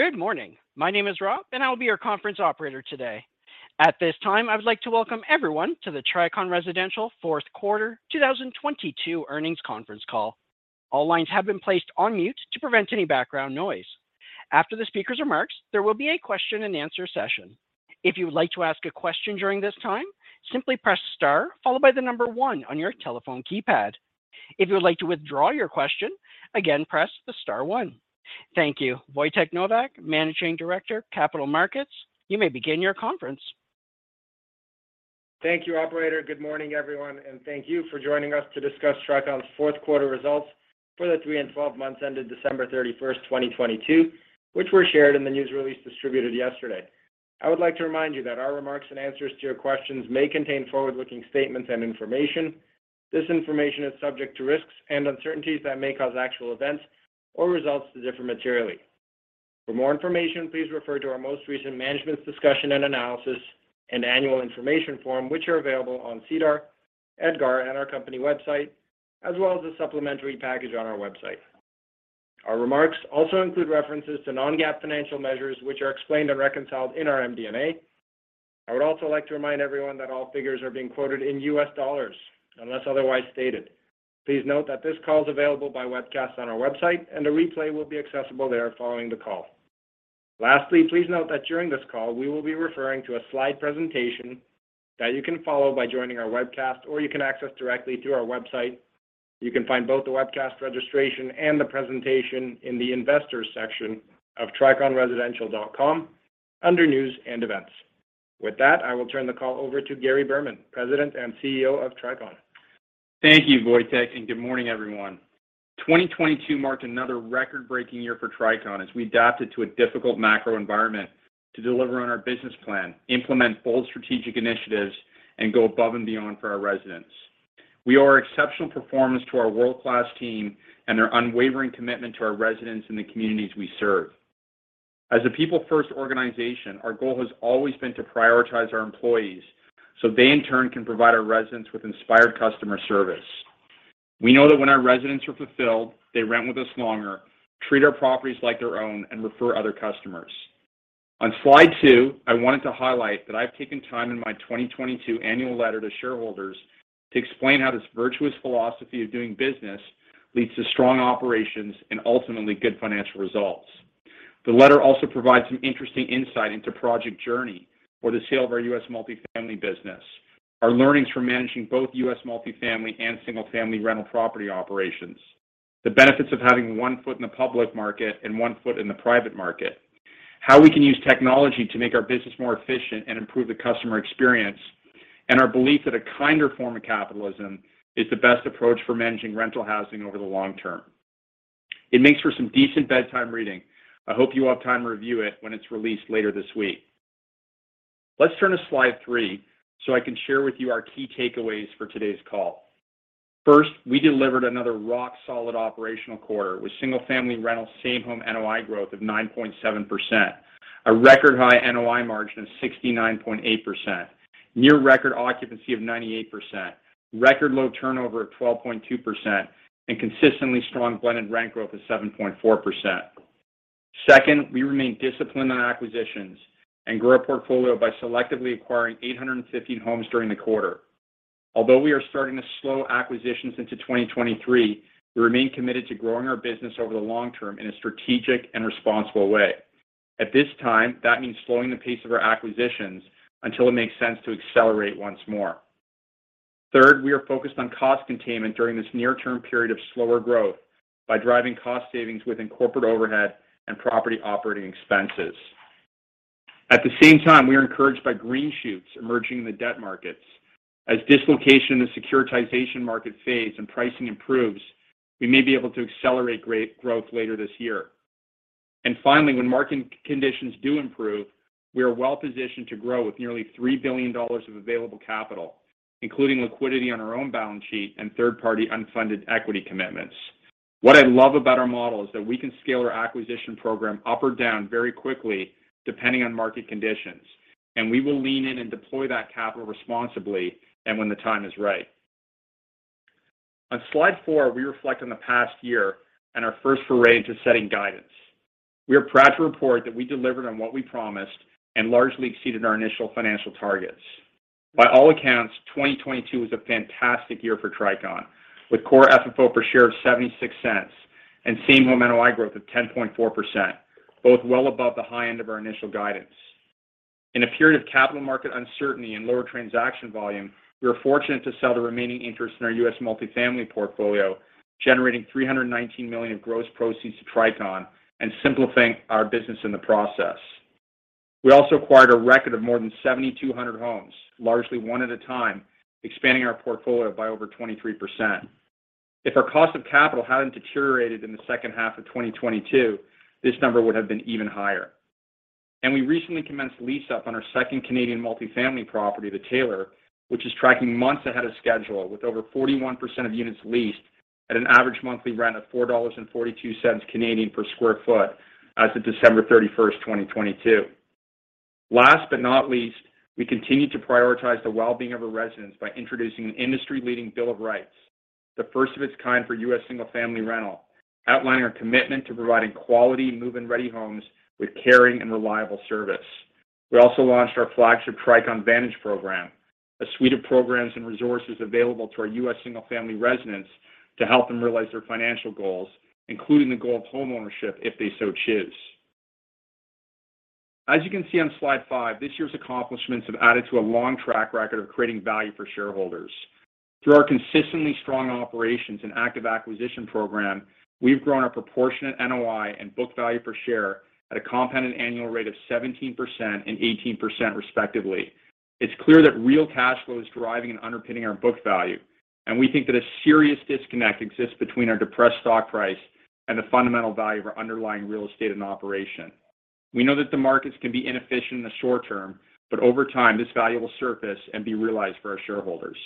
Good morning. My name is Rob, I will be your conference operator today. At this time, I would like to welcome everyone to the Tricon Residential Fourth Quarter 2022 Earnings Conference Call. All lines have been placed on mute to prevent any background noise. After the speaker's remarks, there will be a question and answer session. If you would like to ask a question during this time, simply press star followed by the number one on your telephone keypad. If you would like to withdraw your question, again, press the star one. Thank you. Wojtek Nowak, Managing Director, Capital Markets, you may begin your conference. Thank you, operator. Good morning, everyone. Thank you for joining us to discuss Tricon's fourth quarter results for the three and 12 months ended December 31st, 2022, which were shared in the news release distributed yesterday. I would like to remind you that our remarks and answers to your questions may contain forward-looking statements and information. This information is subject to risks and uncertainties that may cause actual events or results to differ materially. For more information, please refer to our most recent Management's Discussion and Analysis and annual information form, which are available on SEDAR, EDGAR and our company website, as well as a supplementary package on our website. Our remarks also include references to non-GAAP financial measures, which are explained and reconciled in our MD&A. I would also like to remind everyone that all figures are being quoted in U.S. dollars unless otherwise stated. Please note that this call is available by webcast on our website, and a replay will be accessible there following the call. Lastly, please note that during this call, we will be referring to a slide presentation that you can follow by joining our webcast, or you can access directly through our website. You can find both the webcast registration and the presentation in the Investors Section of triconresidential.com under News and Events. With that, I will turn the call over to Gary Berman, President and CEO of Tricon. Thank you, Wojciech, and good morning, everyone. 2022 marked another record-breaking year for Tricon as we adapted to a difficult macro environment to deliver on our business plan, implement bold strategic initiatives, and go above and beyond for our residents. We owe our exceptional performance to our world-class team and their unwavering commitment to our residents and the communities we serve. As a people-first organization, our goal has always been to prioritize our employees so they in turn can provide our residents with inspired customer service. We know that when our residents are fulfilled, they rent with us longer, treat our properties like their own, and refer other customers. On slide two, I wanted to highlight that I've taken time in my 2022 annual letter to shareholders to explain how this virtuous philosophy of doing business leads to strong operations and ultimately good financial results. The letter also provides some interesting insight into Project Journey or the sale of our U.S. multifamily business, our learnings from managing both U.S. multifamily and single-family rental property operations, the benefits of having one foot in the public market and one foot in the private market, how we can use technology to make our business more efficient and improve the customer experience, and our belief that a kinder form of capitalism is the best approach for managing rental housing over the long term. It makes for some decent bedtime reading. I hope you have time to review it when it's released later this week. Let's turn to slide three so I can share with you our key takeaways for today's call. First, we delivered another rock-solid operational quarter with single-family rental same-home NOI growth of 9.7%, a record high NOI margin of 69.8%, near record occupancy of 98%, record low turnover at 12.2%, and consistently strong blended rent growth of 7.4%. Second, we remain disciplined on acquisitions and grew our portfolio by selectively acquiring 815 homes during the quarter. Although we are starting to slow acquisitions into 2023, we remain committed to growing our business over the long term in a strategic and responsible way. At this time, that means slowing the pace of our acquisitions until it makes sense to accelerate once more. Third, we are focused on cost containment during this near-term period of slower growth by driving cost savings within corporate overhead and property operating expenses. At the same time, we are encouraged by green shoots emerging in the debt markets. As dislocation in the securitization market fades and pricing improves, we may be able to accelerate growth later this year. Finally, when market conditions do improve, we are well-positioned to grow with nearly $3 billion of available capital, including liquidity on our own balance sheet and third-party unfunded equity commitments. What I love about our model is that we can scale our acquisition program up or down very quickly depending on market conditions, and we will lean in and deploy that capital responsibly and when the time is right. On slide four, we reflect on the past year and our first foray into setting guidance. We are proud to report that we delivered on what we promised and largely exceeded our initial financial targets. By all accounts, 2022 was a fantastic year for Tricon, with core FFO per share of $0.76 and same home NOI growth of 10.4%, both well above the high end of our initial guidance. In a period of capital market uncertainty and lower transaction volume, we are fortunate to sell the remaining interest in our U.S. multifamily portfolio, generating $319 million of gross proceeds to Tricon and simplifying our business in the process. We also acquired a record of more than 7,200 homes, largely one at a time, expanding our portfolio by over 23%. If our cost of capital hadn't deteriorated in the second half of 2022, this number would have been even higher. We recently commenced lease up on our second Canadian multifamily property, The Taylor, which is tracking months ahead of schedule with over 41% of units leased at an average monthly rent of 4.42 Canadian dollars per sq ft as of December 31st, 2022. Last but not least, we continue to prioritize the well-being of our residents by introducing an industry-leading bill of rights, the first of its kind for U.S. single-family rental, outlining our commitment to providing quality move-in ready homes with caring and reliable service. We also launched our flagship Tricon Vantage program, a suite of programs and resources available to our U.S. single-family residents to help them realize their financial goals, including the goal of homeownership if they so choose. As you can see on slide five, this year's accomplishments have added to a long track record of creating value for shareholders. Through our consistently strong operations and active acquisition program, we've grown our proportionate NOI and book value per share at a compounded annual rate of 17% and 18% respectively. It's clear that real cash flow is driving and underpinning our book value. We think that a serious disconnect exists between our depressed stock price and the fundamental value of our underlying real estate and operation. We know that the markets can be inefficient in the short term. Over time, this value will surface and be realized for our shareholders.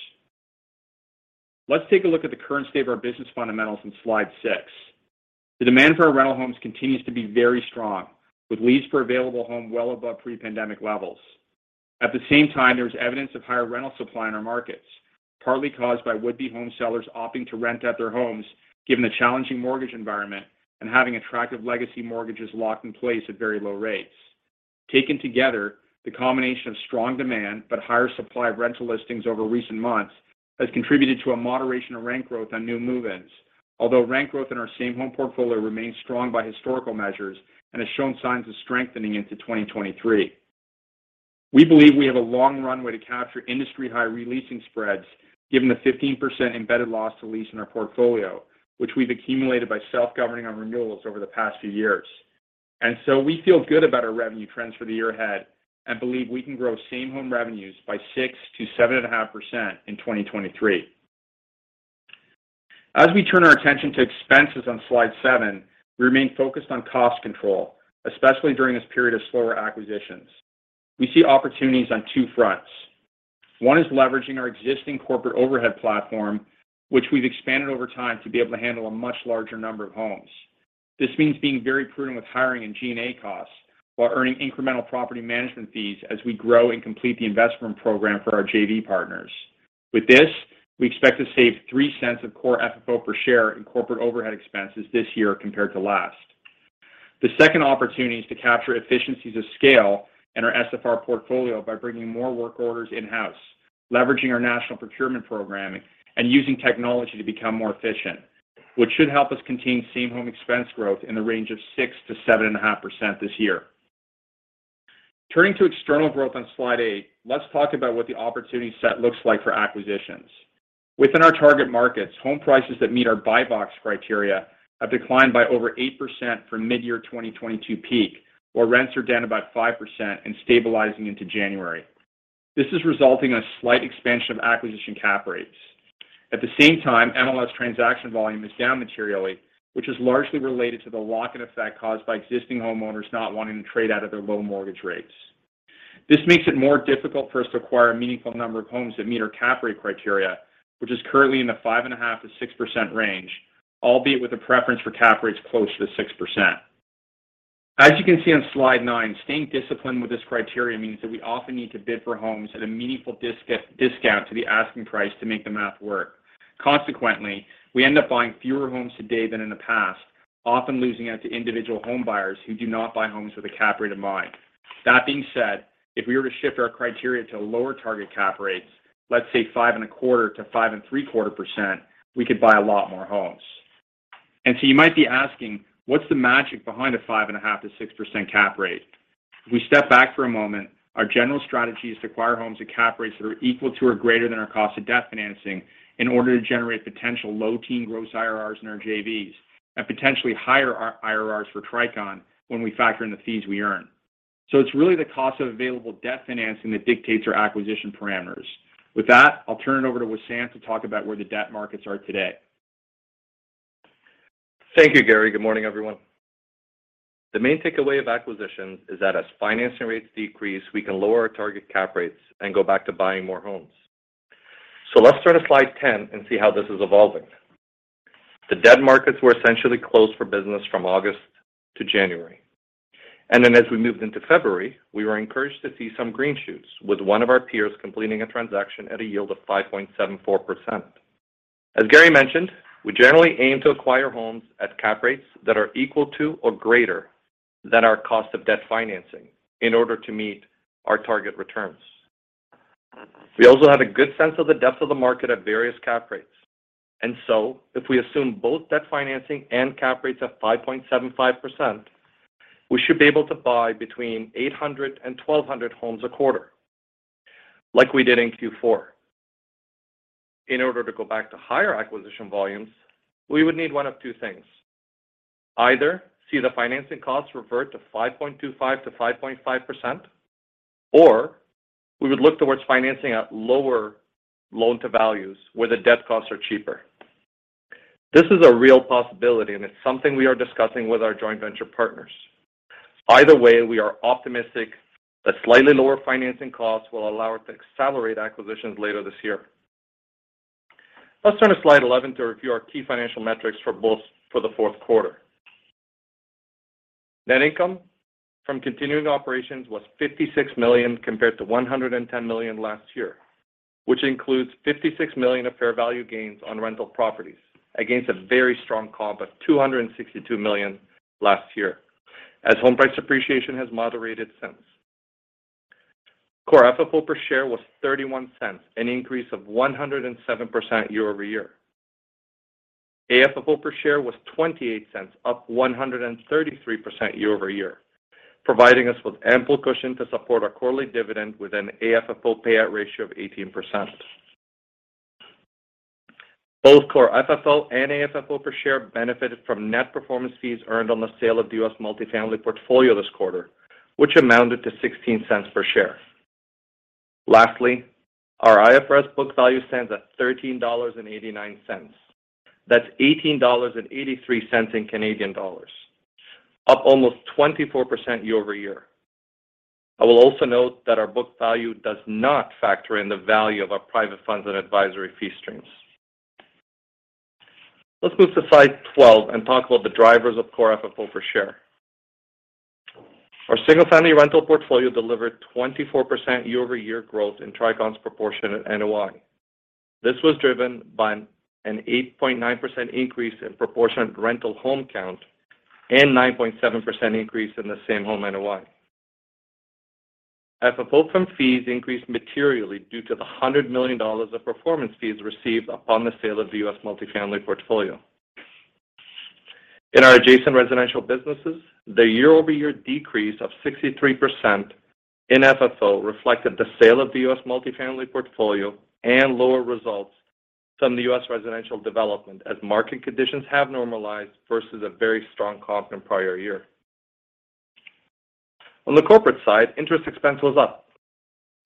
Let's take a look at the current state of our business fundamentals on slide six. The demand for our rental homes continues to be very strong, with leads per available home well above pre-pandemic levels. At the same time, there is evidence of higher rental supply in our markets, partly caused by would-be home sellers opting to rent out their homes given the challenging mortgage environment and having attractive legacy mortgages locked in place at very low rates. Taken together, the combination of strong demand but higher supply of rental listings over recent months has contributed to a moderation of rent growth on new move-ins. Rent growth in our same home portfolio remains strong by historical measures and has shown signs of strengthening into 2023. We believe we have a long runway to capture industry-high re-leasing spreads given the 15% embedded loss to lease in our portfolio, which we've accumulated by self-governing on renewals over the past few years. We feel good about our revenue trends for the year ahead and believe we can grow same home revenues by 6% to 7.5% in 2023. We turn our attention to expenses on slide seven, we remain focused on cost control, especially during this period of slower acquisitions. We see opportunities on two fronts. One is leveraging our existing corporate overhead platform, which we've expanded over time to be able to handle a much larger number of homes. This means being very prudent with hiring and G&A costs while earning incremental property management fees as we grow and complete the investment program for our JV partners. We expect to save $0.03 of core FFO per share in corporate overhead expenses this year compared to last. The second opportunity is to capture efficiencies of scale in our SFR portfolio by bringing more work orders in-house, leveraging our national procurement programming, and using technology to become more efficient, which should help us contain same-home expense growth in the range of 6%-7.5% this year. Turning to external growth on slide eight, let's talk about what the opportunity set looks like for acquisitions. Within our target markets, home prices that meet our buy box criteria have declined by over 8% from mid-year 2022 peak, while rents are down about 5% and stabilizing into January. This is resulting in a slight expansion of acquisition cap rates. At the same time, MLS transaction volume is down materially, which is largely related to the lock-in effect caused by existing homeowners not wanting to trade out of their low mortgage rates. This makes it more difficult for us to acquire a meaningful number of homes that meet our cap rate criteria, which is currently in the 5.5%-6% range, albeit with a preference for cap rates close to 6%. As you can see on slide nine, staying disciplined with this criteria means that we often need to bid for homes at a meaningful discount to the asking price to make the math work. Consequently, we end up buying fewer homes today than in the past, often losing out to individual home buyers who do not buy homes with a cap rate in mind. That being said, if we were to shift our criteria to lower target cap rates, let's say 5.25%-5.75%, we could buy a lot more homes. You might be asking, what's the magic behind a 5.5%-6% cap rate? If we step back for a moment, our general strategy is to acquire homes at cap rates that are equal to or greater than our cost of debt financing in order to generate potential low-teen gross IRRs in our JVs and potentially higher IRRs for Tricon when we factor in the fees we earn. It's really the cost of available debt financing that dictates our acquisition parameters. With that, I'll turn it over to Wissam to talk about where the debt markets are today. Thank you, Gary. Good morning, everyone. The main takeaway of acquisitions is that as financing rates decrease, we can lower our target cap rates and go back to buying more homes. Let's turn to slide 10 and see how this is evolving. The debt markets were essentially closed for business from August to January. As we moved into February, we were encouraged to see some green shoots with one of our peers completing a transaction at a yield of 5.74%. As Gary mentioned, we generally aim to acquire homes at cap rates that are equal to or greater than our cost of debt financing in order to meet our target returns. We also have a good sense of the depth of the market at various cap rates. If we assume both debt financing and cap rates of 5.75%, we should be able to buy between 800 and 1,200 homes a quarter, like we did in Q4. In order to go back to higher acquisition volumes, we would need one of two things. Either see the financing costs revert to 5.25%-5.5%, or we would look towards financing at lower loan-to-values where the debt costs are cheaper. This is a real possibility, and it's something we are discussing with our joint venture partners. Either way, we are optimistic that slightly lower financing costs will allow us to accelerate acquisitions later this year. Let's turn to slide 11 to review our key financial metrics for both the fourth quarter. Net income from continuing operations was $56 million compared to $110 million last year, which includes $56 million of fair value gains on rental properties against a very strong comp of $262 million last year, as home price appreciation has moderated since. Core FFO per share was $0.31, an increase of 107% year-over-year. AFFO per share was $0.28, up 133% year-over-year, providing us with ample cushion to support our quarterly dividend with an AFFO payout ratio of 18%. Both core FFO and AFFO per share benefited from net performance fees earned on the sale of the U.S. multifamily portfolio this quarter, which amounted to $0.16 per share. Lastly, our IFRS book value stands at $13.89. That's CAD 18.83, up almost 24% year-over-year. I will also note that our book value does not factor in the value of our private funds and advisory fee streams. Let's move to slide 12 and talk about the drivers of core FFO per share. Our single-family rental portfolio delivered 24% year-over-year growth in Tricon's proportionate NOI. This was driven by an 8.9% increase in proportionate rental home count and 9.7% increase in the same home NOI. AFFO from fees increased materially due to the $100 million of performance fees received upon the sale of the U.S. multifamily portfolio. In our adjacent residential businesses, the year-over-year decrease of 63% in FFO reflected the sale of the U.S. multifamily portfolio and lower results from the U.S. residential development as market conditions have normalized versus a very strong comp in prior year. On the corporate side, interest expense was up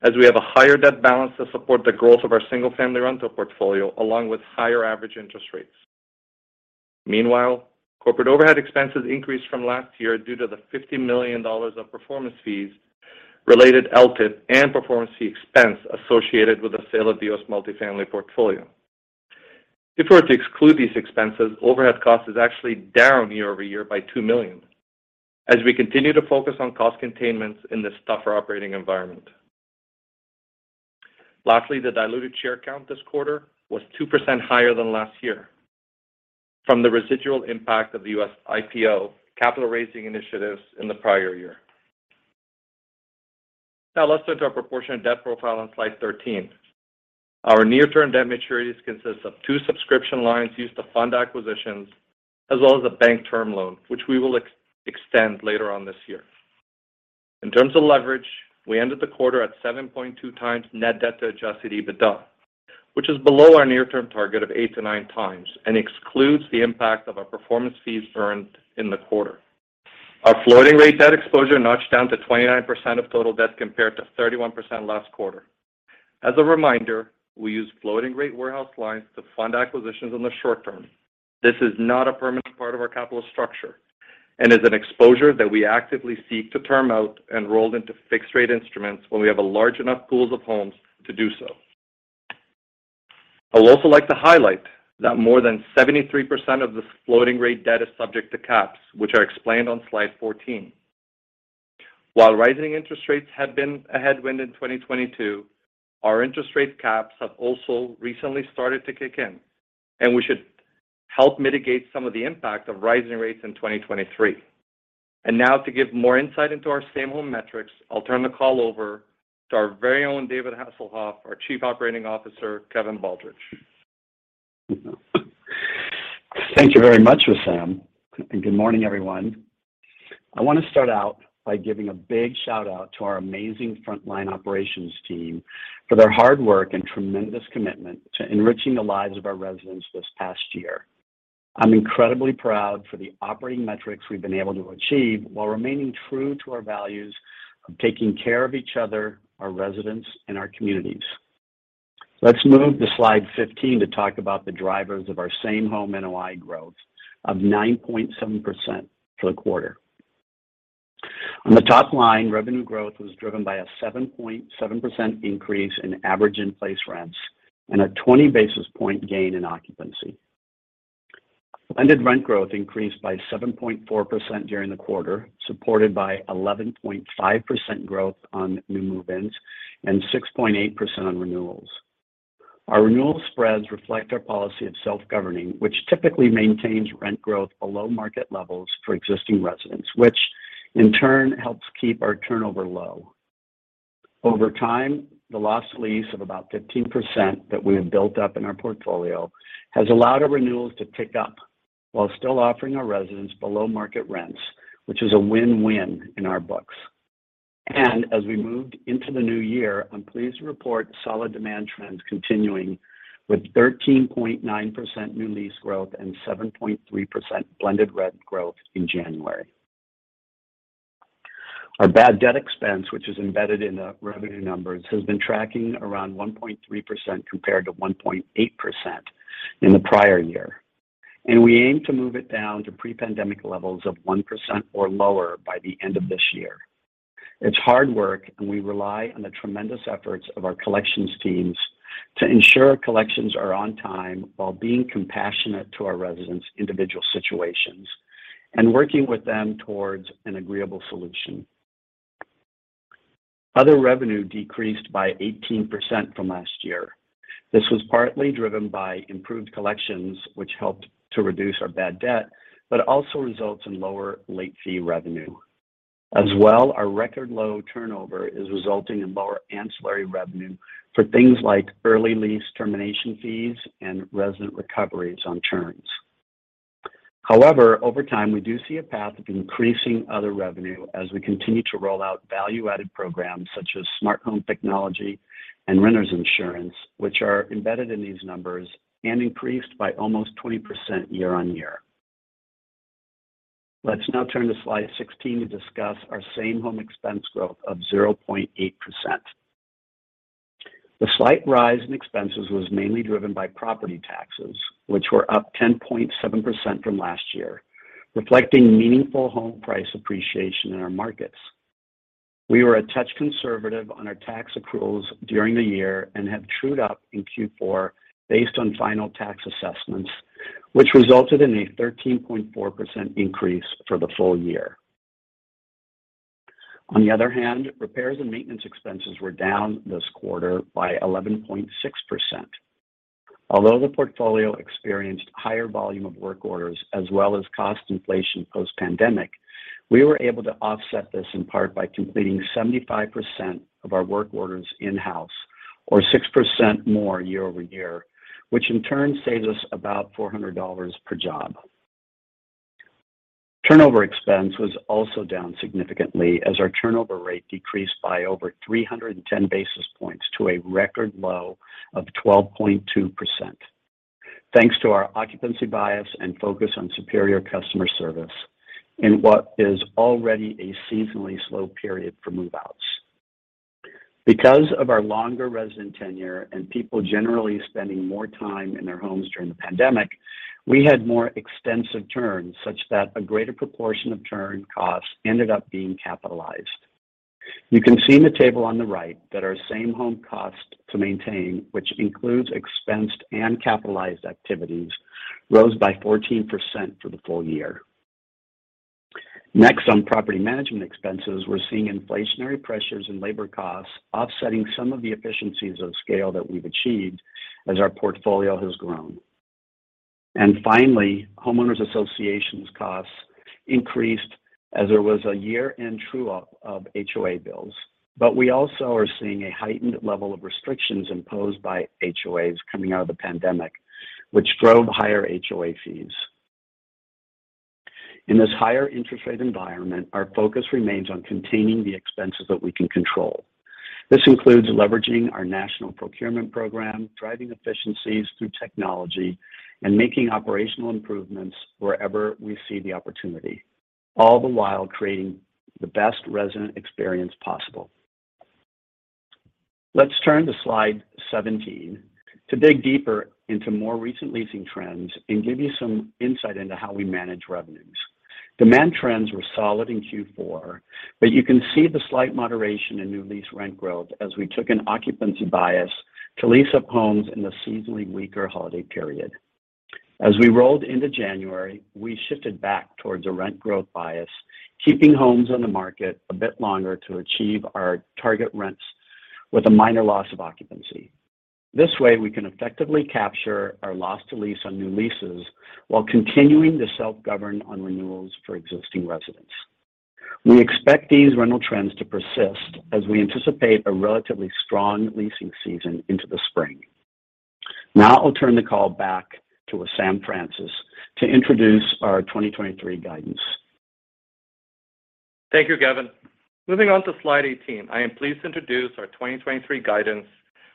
as we have a higher debt balance to support the growth of our single-family rental portfolio along with higher average interest rates. Meanwhile, corporate overhead expenses increased from last year due to the $50 million of performance fees related LTIP and performance fee expense associated with the sale of the U.S. multifamily portfolio. If we were to exclude these expenses, overhead cost is actually down year-over-year by $2 million as we continue to focus on cost containments in this tougher operating environment. Lastly, the diluted share count this quarter was 2% higher than last year from the residual impact of the U.S. IPO capital raising initiatives in the prior year. Now let's turn to our proportionate debt profile on slide 13. Our near-term debt maturities consists of two subscription lines used to fund acquisitions as well as a bank term loan, which we will extend later on this year. In terms of leverage, we ended the quarter at 7.2x net debt to adjusted EBITDA, which is below our near-term target of 8x-9x and excludes the impact of our performance fees earned in the quarter. Our floating rate debt exposure notched down to 29% of total debt compared to 31% last quarter. As a reminder, we use floating rate warehouse lines to fund acquisitions in the short term. This is not a permanent part of our capital structure and is an exposure that we actively seek to term out and roll into fixed rate instruments when we have a large enough pools of homes to do so. I would also like to highlight that more than 73% of this floating rate debt is subject to caps which are explained on slide 14. While rising interest rates have been a headwind in 2022, our interest rate caps have also recently started to kick in. We should help mitigate some of the impact of rising rates in 2023. Now to give more insight into our same home metrics, I'll turn the call over to our very own David Hasselhoff, our Chief Operating Officer Kevin Baldridge. Thank you very much, Wissam. Good morning, everyone. I want to start out by giving a big shout out to our amazing frontline operations team for their hard work and tremendous commitment to enriching the lives of our residents this past year. I'm incredibly proud for the operating metrics we've been able to achieve while remaining true to our values of taking care of each other, our residents, and our communities. Let's move to slide 15 to talk about the drivers of our same home NOI growth of 9.7% for the quarter. On the top line, revenue growth was driven by a 7.7% increase in average in-place rents and a 20 basis point gain in occupancy. Blended rent growth increased by 7.4% during the quarter, supported by 11.5% growth on new move-ins and 6.8% on renewals. Our renewal spreads reflect our policy of self-governing, which typically maintains rent growth below market levels for existing residents, which in turn helps keep our turnover low. Over time, the loss lease of about 15% that we have built up in our portfolio has allowed our renewals to tick up while still offering our residents below-market rents, which is a win-win in our books. As we moved into the new year, I'm pleased to report solid demand trends continuing with 13.9% new lease growth and 7.3% blended rent growth in January. Our bad debt expense, which is embedded in the revenue numbers, has been tracking around 1.3% compared to 1.8% in the prior year. We aim to move it down to pre-pandemic levels of 1% or lower by the end of this year. It's hard work, and we rely on the tremendous efforts of our collections teams to ensure collections are on time while being compassionate to our residents' individual situations and working with them towards an agreeable solution. Other revenue decreased by 18% from last year. This was partly driven by improved collections, which helped to reduce our bad debt, but also results in lower late fee revenue. Our record low turnover is resulting in lower ancillary revenue for things like early lease termination fees and resident recoveries on churns. Over time, we do see a path of increasing other revenue as we continue to roll out value-added programs such as smart home technology and renters insurance, which are embedded in these numbers and increased by almost 20% year-on-year. Let's now turn to slide 16 to discuss our same home expense growth of 0.8%. The slight rise in expenses was mainly driven by property taxes, which were up 10.7% from last year, reflecting meaningful home price appreciation in our markets. We were a touch conservative on our tax accruals during the year and have trued up in Q4 based on final tax assessments, which resulted in a 13.4% increase for the full year. On the other hand, repairs and maintenance expenses were down this quarter by 11.6%. Although the portfolio experienced higher volume of work orders as well as cost inflation post-pandemic, we were able to offset this in part by completing 75% of our work orders in-house or 6% more year-over-year, which in turn saves us about $400 per job. Turnover expense was also down significantly as our turnover rate decreased by over 310 basis points to a record low of 12.2%. Thanks to our occupancy bias and focus on superior customer service in what is already a seasonally slow period for move-outs. Because of our longer resident tenure and people generally spending more time in their homes during the pandemic, we had more extensive churns, such that a greater proportion of churn costs ended up being capitalized. You can see in the table on the right that our same home cost to maintain, which includes expensed and capitalized activities, rose by 14% for the full year. On property management expenses, we're seeing inflationary pressures in labor costs offsetting some of the efficiencies of scale that we've achieved as our portfolio has grown. Finally, Homeowners Associations costs increased as there was a year-end true-up of HOA bills. We also are seeing a heightened level of restrictions imposed by HOAs coming out of the pandemic, which drove higher HOA fees. In this higher interest rate environment, our focus remains on containing the expenses that we can control. This includes leveraging our national procurement program, driving efficiencies through technology, and making operational improvements wherever we see the opportunity, all the while creating the best resident experience possible. Let's turn to slide 17 to dig deeper into more recent leasing trends and give you some insight into how we manage revenues. Demand trends were solid in Q4. You can see the slight moderation in new lease rent growth as we took an occupancy bias to lease up homes in the seasonally weaker holiday period. As we rolled into January, we shifted back towards a rent growth bias, keeping homes on the market a bit longer to achieve our target rents with a minor loss of occupancy. This way, we can effectively capture our loss to lease on new leases while continuing to self-govern on renewals for existing residents. We expect these rental trends to persist as we anticipate a relatively strong leasing season into the spring. Now I'll turn the call back to Wissam Francis to introduce our 2023 guidance. Thank you, Kevin. Moving on to slide 18, I am pleased to introduce our 2023 guidance,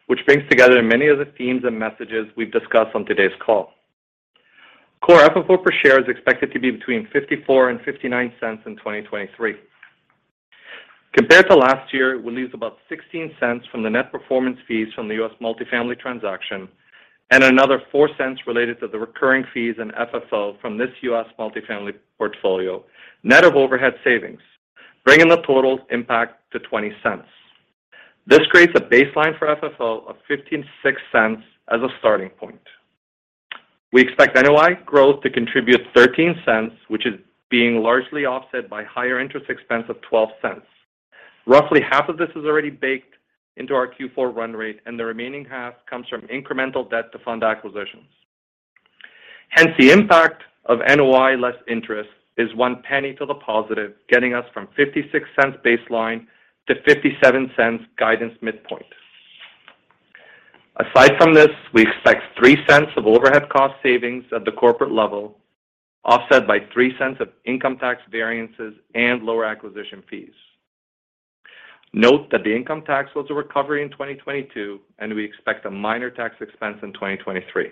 which brings together many of the themes and messages we've discussed on today's call. Core FFO per share is expected to be between $0.54-$0.59 in 2023. Compared to last year, we'll lose about $0.16 from the net performance fees from the U.S. multifamily transaction and another $0.04 related to the recurring fees and FFO from this U.S. multifamily portfolio net of overhead savings, bringing the total impact to $0.20. This creates a baseline for FFO of $0.56 as a starting point. We expect NOI growth to contribute $0.13, which is being largely offset by higher interest expense of $0.12. Roughly half of this is already baked into our Q4 run rate, and the remaining half comes from incremental debt to fund acquisitions. The impact of NOI less interest is $0.01 to the positive, getting us from $0.56 baseline to $0.57 guidance midpoint. Aside from this, we expect $0.03 of overhead cost savings at the corporate level, offset by $0.03 of income tax variances and lower acquisition fees. Note that the income tax was a recovery in 2022, and we expect a minor tax expense in 2023.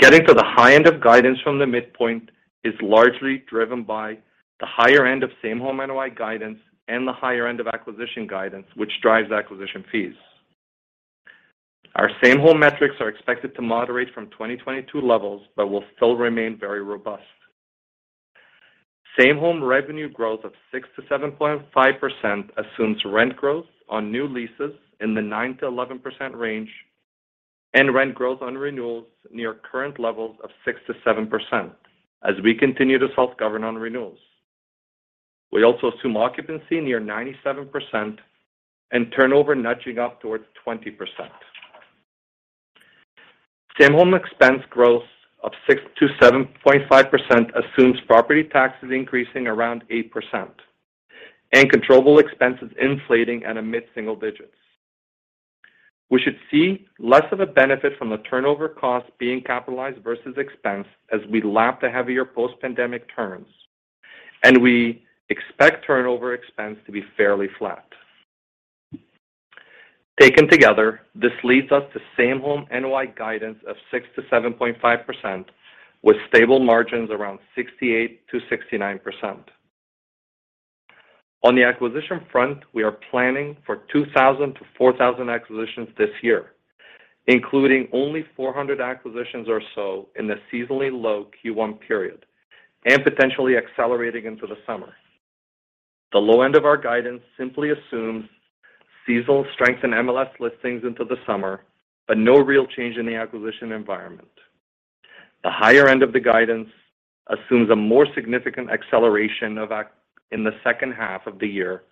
Getting to the high end of guidance from the midpoint is largely driven by the higher end of same home NOI guidance and the higher end of acquisition guidance, which drives acquisition fees. Our same home metrics are expected to moderate from 2022 levels, but will still remain very robust. Same home revenue growth of 6%-7.5% assumes rent growth on new leases in the 9%-11% range, rent growth on renewals near current levels of 6%-7% as we continue to self-govern on renewals. We also assume occupancy near 97% and turnover nudging up towards 20%. Same home expense growth of 6%-7.5% assumes property taxes increasing around 8% and controllable expenses inflating at a mid-single digits. We should see less of a benefit from the turnover cost being capitalized versus expense as we lap the heavier post-pandemic turns. We expect turnover expense to be fairly flat. Taken together, this leads us to same home NOI guidance of 6%-7.5% with stable margins around 68%-69%. On the acquisition front, we are planning for 2,000-4,000 acquisitions this year, including only 400 acquisitions or so in the seasonally low Q1 period and potentially accelerating into the summer. The low end of our guidance simply assumes seasonal strength in MLS listings into the summer, but no real change in the acquisition environment. The higher end of the guidance assumes a more significant acceleration in the second half of the year,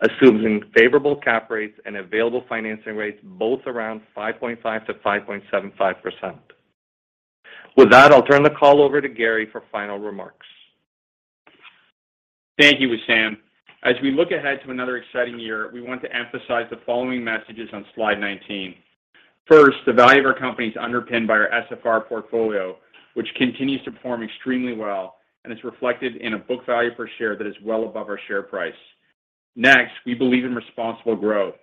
assumes favorable cap rates and available financing rates both around 5.5%-5.75%. With that, I'll turn the call over to Gary for final remarks. Thank you, Wissam. As we look ahead to another exciting year, we want to emphasize the following messages on slide 19. First, the value of our company is underpinned by our SFR portfolio, which continues to perform extremely well and is reflected in a book value per share that is well above our share price. Next, we believe in responsible growth.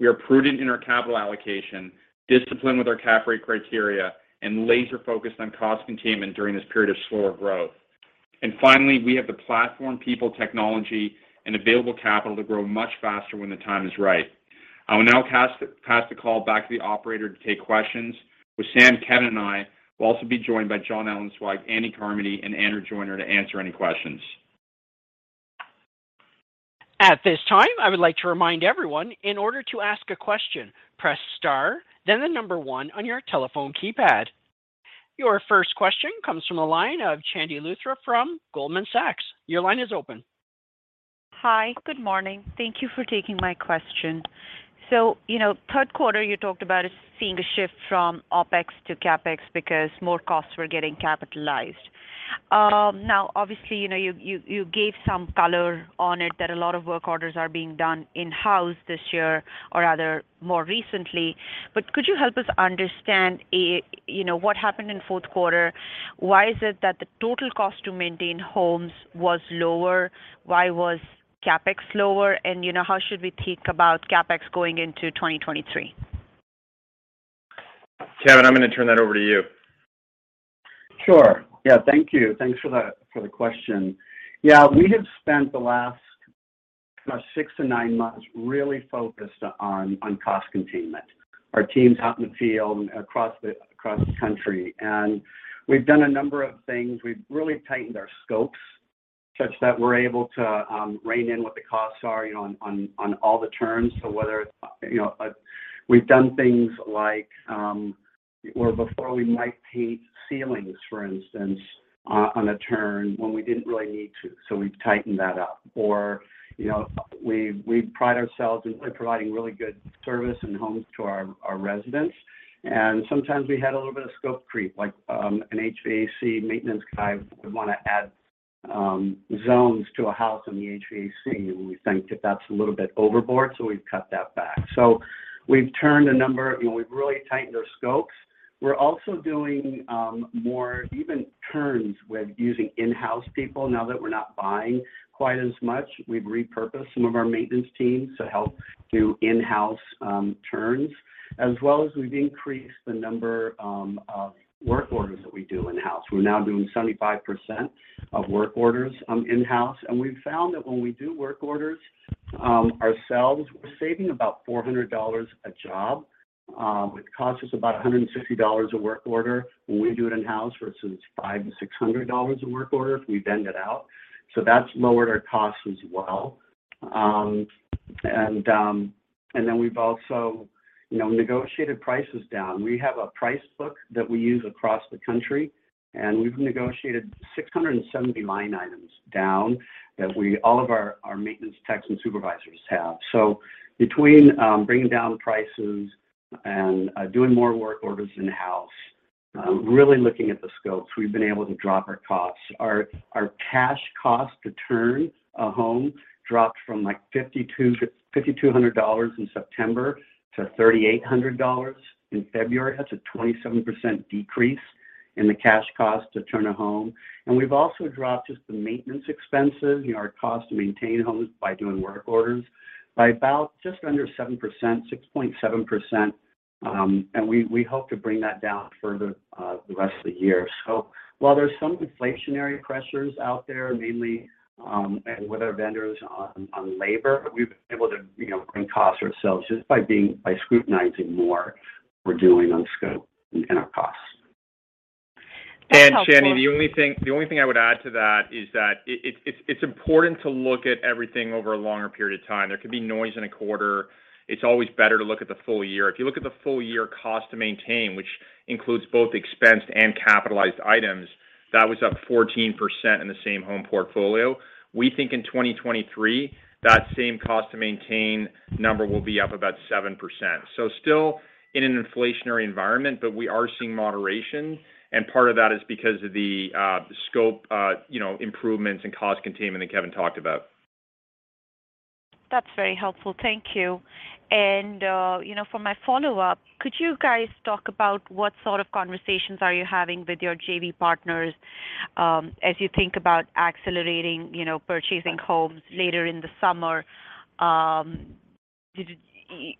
We are prudent in our capital allocation, disciplined with our cap rate criteria, and laser-focused on cost containment during this period of slower growth. Finally, we have the platform, people, technology, and available capital to grow much faster when the time is right. I will now pass the call back to the operator to take questions. Wissam, Kevin, and I will also be joined by Jon Ellenzweig, Andy Carmody, and Andrew Joyner to answer any questions. At this time, I would like to remind everyone in order to ask a question, press star, then the 1 on your telephone keypad. Your first question comes from the line of Chandni Luthra from Goldman Sachs. Your line is open. Hi. Good morning. Thank you for taking my question. third quarter, you talked about is seeing a shift from OpEx to CapEx because more costs were getting capitalized. Now, obviously, you gave some color on it that a lot of work orders are being done in-house this year or rather more recently. Could you help us understand what happened in fourth quarter? Why is it that the total cost to maintain homes was lower? Why was CapEx lower? How should we think about CapEx going into 2023? Kevin, I'm going to turn that over to you. Sure. Yeah. Thank you. Thanks for the question. Yeah. We have spent the last six to nine months really focused on cost containment. Our teams out in the field across the country. We've done a number of things. We've really tightened our scopes such that we're able to rein in what the costs are, you know, on all the turns. Whether it's, you know, we've done things like, where before we might paint ceilings, for instance, on a turn when we didn't really need to. We've tightened that up. You know, we pride ourselves in providing really good service and homes to our residents. Sometimes we had a little bit of scope creep, like an HVAC maintenance guy would want to add zones to a house on the HVAC. We think that that's a little bit overboard, so we've cut that back. You know, we've really tightened our scopes. We're also doing more even turns with using in-house people now that we're not buying quite as much. We've repurposed some of our maintenance teams to help do in-house turns, as well as we've increased the number of work orders that we do in-house. We're now doing 75% of work orders in-house, and we've found that when we do work orders ourselves, we're saving about $400 a job. It costs us about $150 a work order when we do it in-house versus $500-$600 a work order if we vend it out. That's lowered our costs as well. Then we've also, you know, negotiated prices down. We have a price book that we use across the country, and we've negotiated 670 line items down that all of our maintenance techs and supervisors have. Between bringing down prices and doing more work orders in-house, really looking at the scopes, we've been able to drop our costs. Our cash cost to turn a home dropped from, like, $5,200 in September to $3,800 in February. That's a 27% decrease in the cash cost to turn a home. We've also dropped just the maintenance expenses, you know, our cost to maintain homes by doing work orders by about just under 7%, 6.7%. We hope to bring that down further, the rest of the year. While there's some inflationary pressures out there, mainly, and with our vendors on labor, we've been able to bring costs ourselves just by scrutinizing more what we're doing on scope and our costs. Chandni, the only thing I would add to that is that it's important to look at everything over a longer period of time. There could be noise in a quarter. It's always better to look at the full year. If you look at the full year cost to maintain, which includes both expensed and capitalized items, that was up 14% in the same home portfolio. We think in 2023, that same cost to maintain number will be up about 7%. Still in an inflationary environment, but we are seeing moderation. Part of that is because of the scope, you know, improvements and cost containment that Kevin talked about. That's very helpful. Thank you. You know, for my follow-up, could you guys talk about what sort of conversations are you having with your JV partners as you think about accelerating, you know, purchasing homes later in the summer?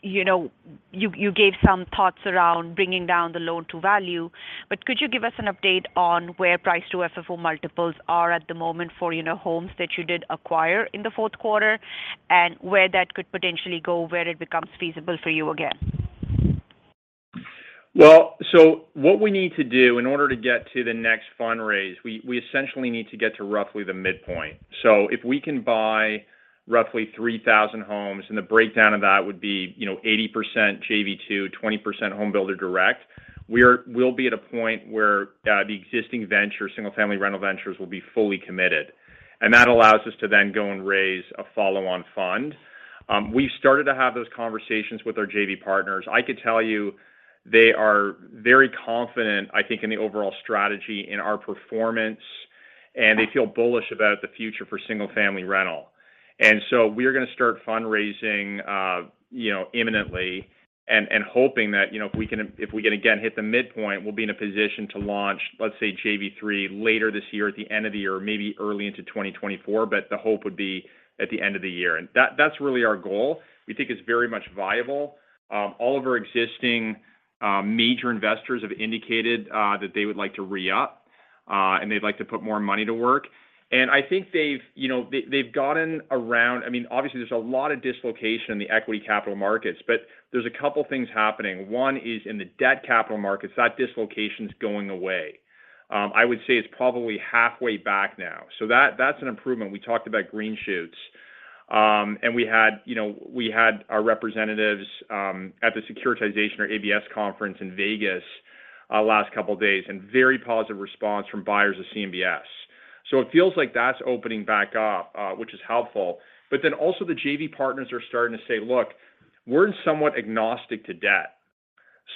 You know, you gave some thoughts around bringing down the loan to value, but could you give us an update on where price to FFO multiples are at the moment for, you know, homes that you did acquire in the 4th quarter and where that could potentially go, where it becomes feasible for you again? What we need to do in order to get to the next fundraise, we essentially need to get to roughly the midpoint. If we can buy roughly 3,000 homes, and the breakdown of that would be, you know, 80% JV-2, 20% Homebuilder Direct, we'll be at a point where the existing single-family rental ventures will be fully committed. That allows us to then go and raise a follow-on fund. We started to have those conversations with our JV partners. I could tell you they are very confident, I think, in the overall strategy in our performance, and they feel bullish about the future for single-family rental. We're gonna start fundraising, you know, imminently and hoping that, you know, if we can again hit the midpoint, we'll be in a position to launch, let's say JV-3 later this year at the end of the year, maybe early into 2024, but the hope would be at the end of the year. That's really our goal. We think it's very much viable. All of our existing major investors have indicated that they would like to re-up and they'd like to put more money to work. I think they've, you know, they've gotten around... I mean, obviously, there's a lot of dislocation in the equity capital markets, but there's a couple of things happening. One is in the debt capital markets, that dislocation is going away. I would say it's probably halfway back now. That's an improvement. We talked about green shoots. And we had, you know, we had our representatives at the securitization or ABS conference in Vegas last couple of days, and very positive response from buyers of CMBS. It feels like that's opening back up, which is helpful. Also the JV partners are starting to say, "Look, we're somewhat agnostic to debt."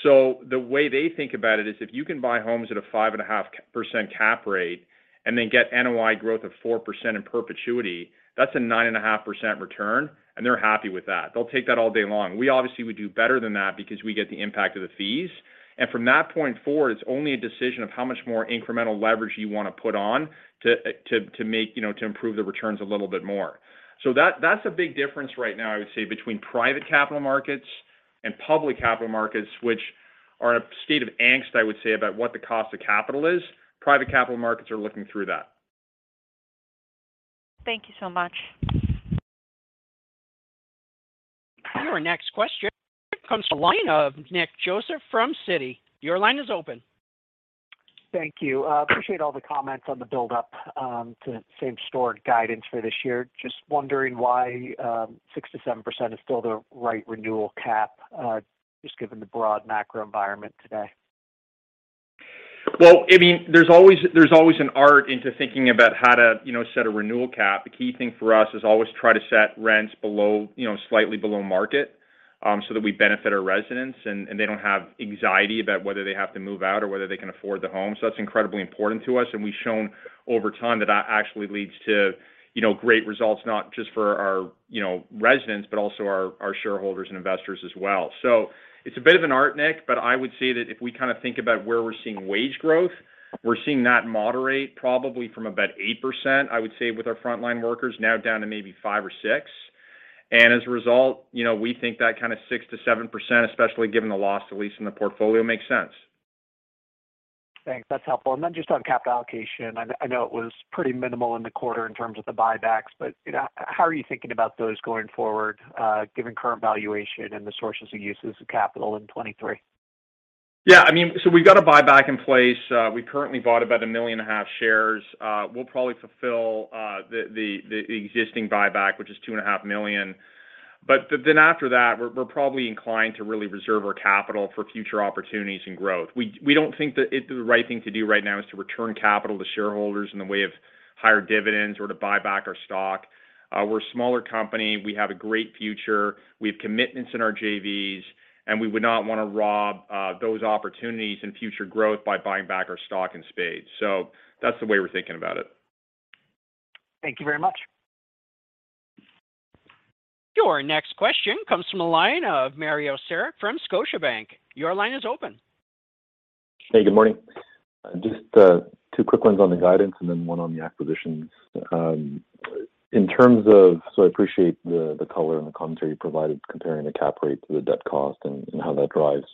The way they think about it is if you can buy homes at a 5.5% cap rate and then get NOI growth of 4% in perpetuity, that's a 9.5% return, and they're happy with that. They'll take that all day long. We obviously would do better than that because we get the impact of the fees. From that point forward, it's only a decision of how much more incremental leverage you want to put on to make, you know, to improve the returns a little bit more. That's a big difference right now, I would say, between private capital markets and public capital markets, which are in a state of angst, I would say, about what the cost of capital is. Private capital markets are looking through that. Thank you so much. Our next question comes from the line of Nick Joseph from Citi. Your line is open. Thank you. Appreciate all the comments on the build-up to same-store guidance for this year. Just wondering why 6%-7% is still the right renewal cap just given the broad macro environment today. Well, I mean, there's always an art into thinking about how to, you know, set a renewal cap. The key thing for us is always try to set rents below, you know, slightly below market, so that we benefit our residents and they don't have anxiety about whether they have to move out or whether they can afford the home. That's incredibly important to us. We've shown over time that that actually leads to, you know, great results, not just for our, you know, residents, but also our shareholders and investors as well. It's a bit of an art, Nick, but I would say that if we kind of think about where we're seeing wage growth, we're seeing that moderate probably from about 8%, I would say, with our frontline workers now down to maybe 5% or 6%. As a result, you know, we think that kind of 6%-7%, especially given the loss to lease in the portfolio, makes sense. Thanks. That's helpful. Just on capital allocation. I know it was pretty minimal in the quarter in terms of the buybacks, you know, how are you thinking about those going forward, given current valuation and the sources of uses of capital in 2023? Yeah. I mean, we've got a buyback in place. We currently bought about 1.5 million shares. We'll probably fulfill the existing buyback, which is 2.5 million. Then after that, we're probably inclined to really reserve our capital for future opportunities and growth. We don't think that the right thing to do right now is to return capital to shareholders in the way of higher dividends or to buy back our stock. We're a smaller company. We have a great future. We have commitments in our JVs, and we would not wanna rob those opportunities and future growth by buying back our stock in spades. That's the way we're thinking about it. Thank you very much. Your next question comes from the line of Mario Saric from Scotiabank. Your line is open. Hey, good morning. Just two quick ones on the guidance and then one on the acquisitions. In terms of... I appreciate the color and the commentary you provided comparing the cap rate to the debt cost and how that drives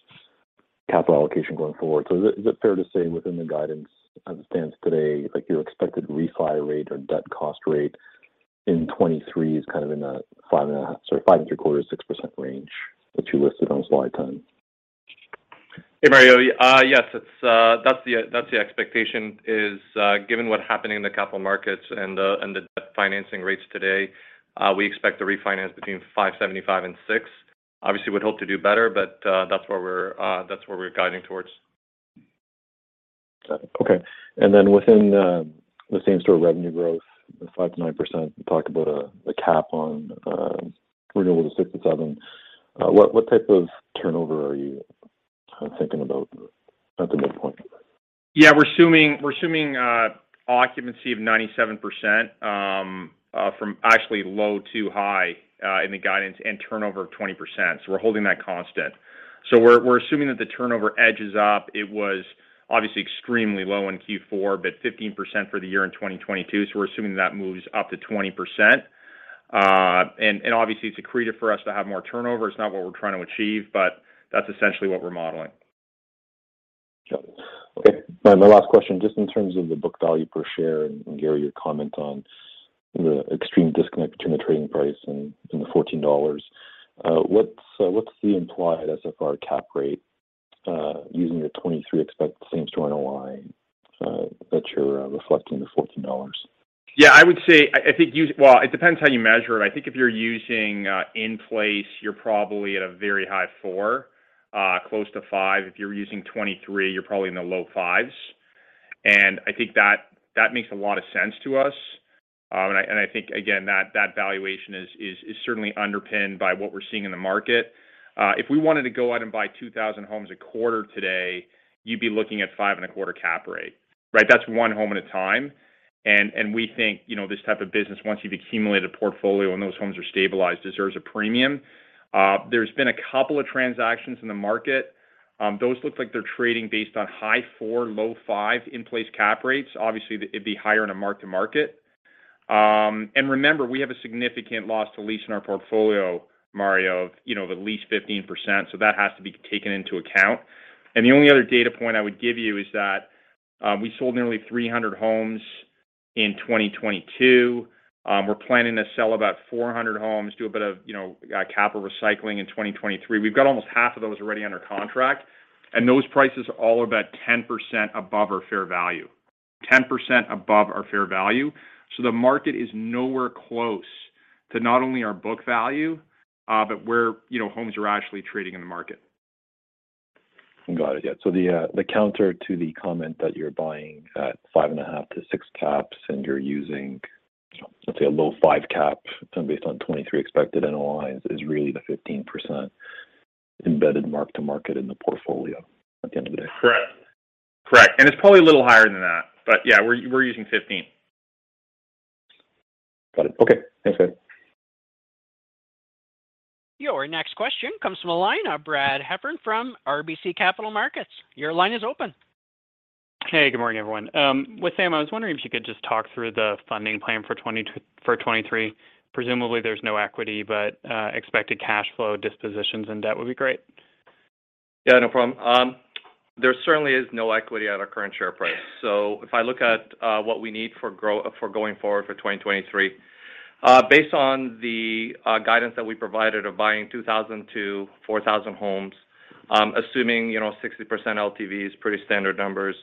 capital allocation going forward. Is it fair to say within the guidance as it stands today, your expected refi rate or debt cost rate In 2023 is kind of in the 5.75%, 6% range that you listed on slide 10. Hey, Mario. Yes, that's the expectation. Given what happened in the capital markets and the debt financing rates today, we expect to refinance between 5.75% and 6%. Obviously, we'd hope to do better, but that's where we're guiding towards. Okay. Within the same-store revenue growth, the 5%-9%, you talked about a cap on renewable to 6%-7%. What type of turnover are you kind of thinking about at the midpoint? Yeah. We're assuming occupancy of 97%, from actually low to high, in the guidance, and turnover of 20%. We're holding that constant. We're assuming that the turnover edges up. It was obviously extremely low in Q4, but 15% for the year in 2022. We're assuming that moves up to 20%. Obviously it's accretive for us to have more turnover. It's not what we're trying to achieve, but that's essentially what we're modeling. Sure. Okay. The last question, just in terms of the book value per share, Gary, your comment on the extreme disconnect between the trading price and the $14. What's the implied SFR cap rate using the 2023 expected same store NOI that you're reflecting the $14? Yeah. I would say I think. Well, it depends how you measure it. I think if you're using in place, you're probably at a very high four, close to five. If you're using 2023, you're probably in the low fives. I think that makes a lot of sense to us. I think again, that valuation is certainly underpinned by what we're seeing in the market. If we wanted to go out and buy 2,000 homes a quarter today, you'd be looking at 5 and a quarter cap rate, right? That's 1 home at a time. We think, you know, this type of business, once you've accumulated a portfolio and those homes are stabilized, deserves a premium. There's been a couple of transactions in the market. Those look like they're trading based on high four, low five in place cap rates. Obviously it'd be higher in a mark to market. Remember, we have a significant loss to lease in our portfolio, Mario, of, you know, at least 15%. That has to be taken into account. The only other data point I would give you is that we sold nearly 300 homes in 2022. We're planning to sell about 400 homes, do a bit of, you know, capital recycling in 2023. We've got almost half of those already under contract, and those prices are all about 10% above our fair value. 10% above our fair value. The market is nowhere close to not only our book value, but where, you know, homes are actually trading in the market. Got it. Yeah. The counter to the comment that you're buying at 5.5-6 caps and you're using, let's say, a low five cap based on 2023 expected NOIs is really the 15% embedded mark-to-market in the portfolio at the end of the day. Correct. Correct. It's probably a little higher than that, but yeah, we're using 15%. Got it. Okay. Thanks, guys. Your next question comes from the line of Brad Heffern from RBC Capital Markets. Your line is open. Hey, good morning, everyone. Wissam, I was wondering if you could just talk through the funding plan for 2023. Presumably there's no equity, but expected cash flow dispositions and debt would be great. There certainly is no equity at our current share price. If I look at what we need for going forward for 2023, based on the guidance that we provided of buying 2,000-4,000 homes, assuming, you know, 60% LTV is pretty standard numbers,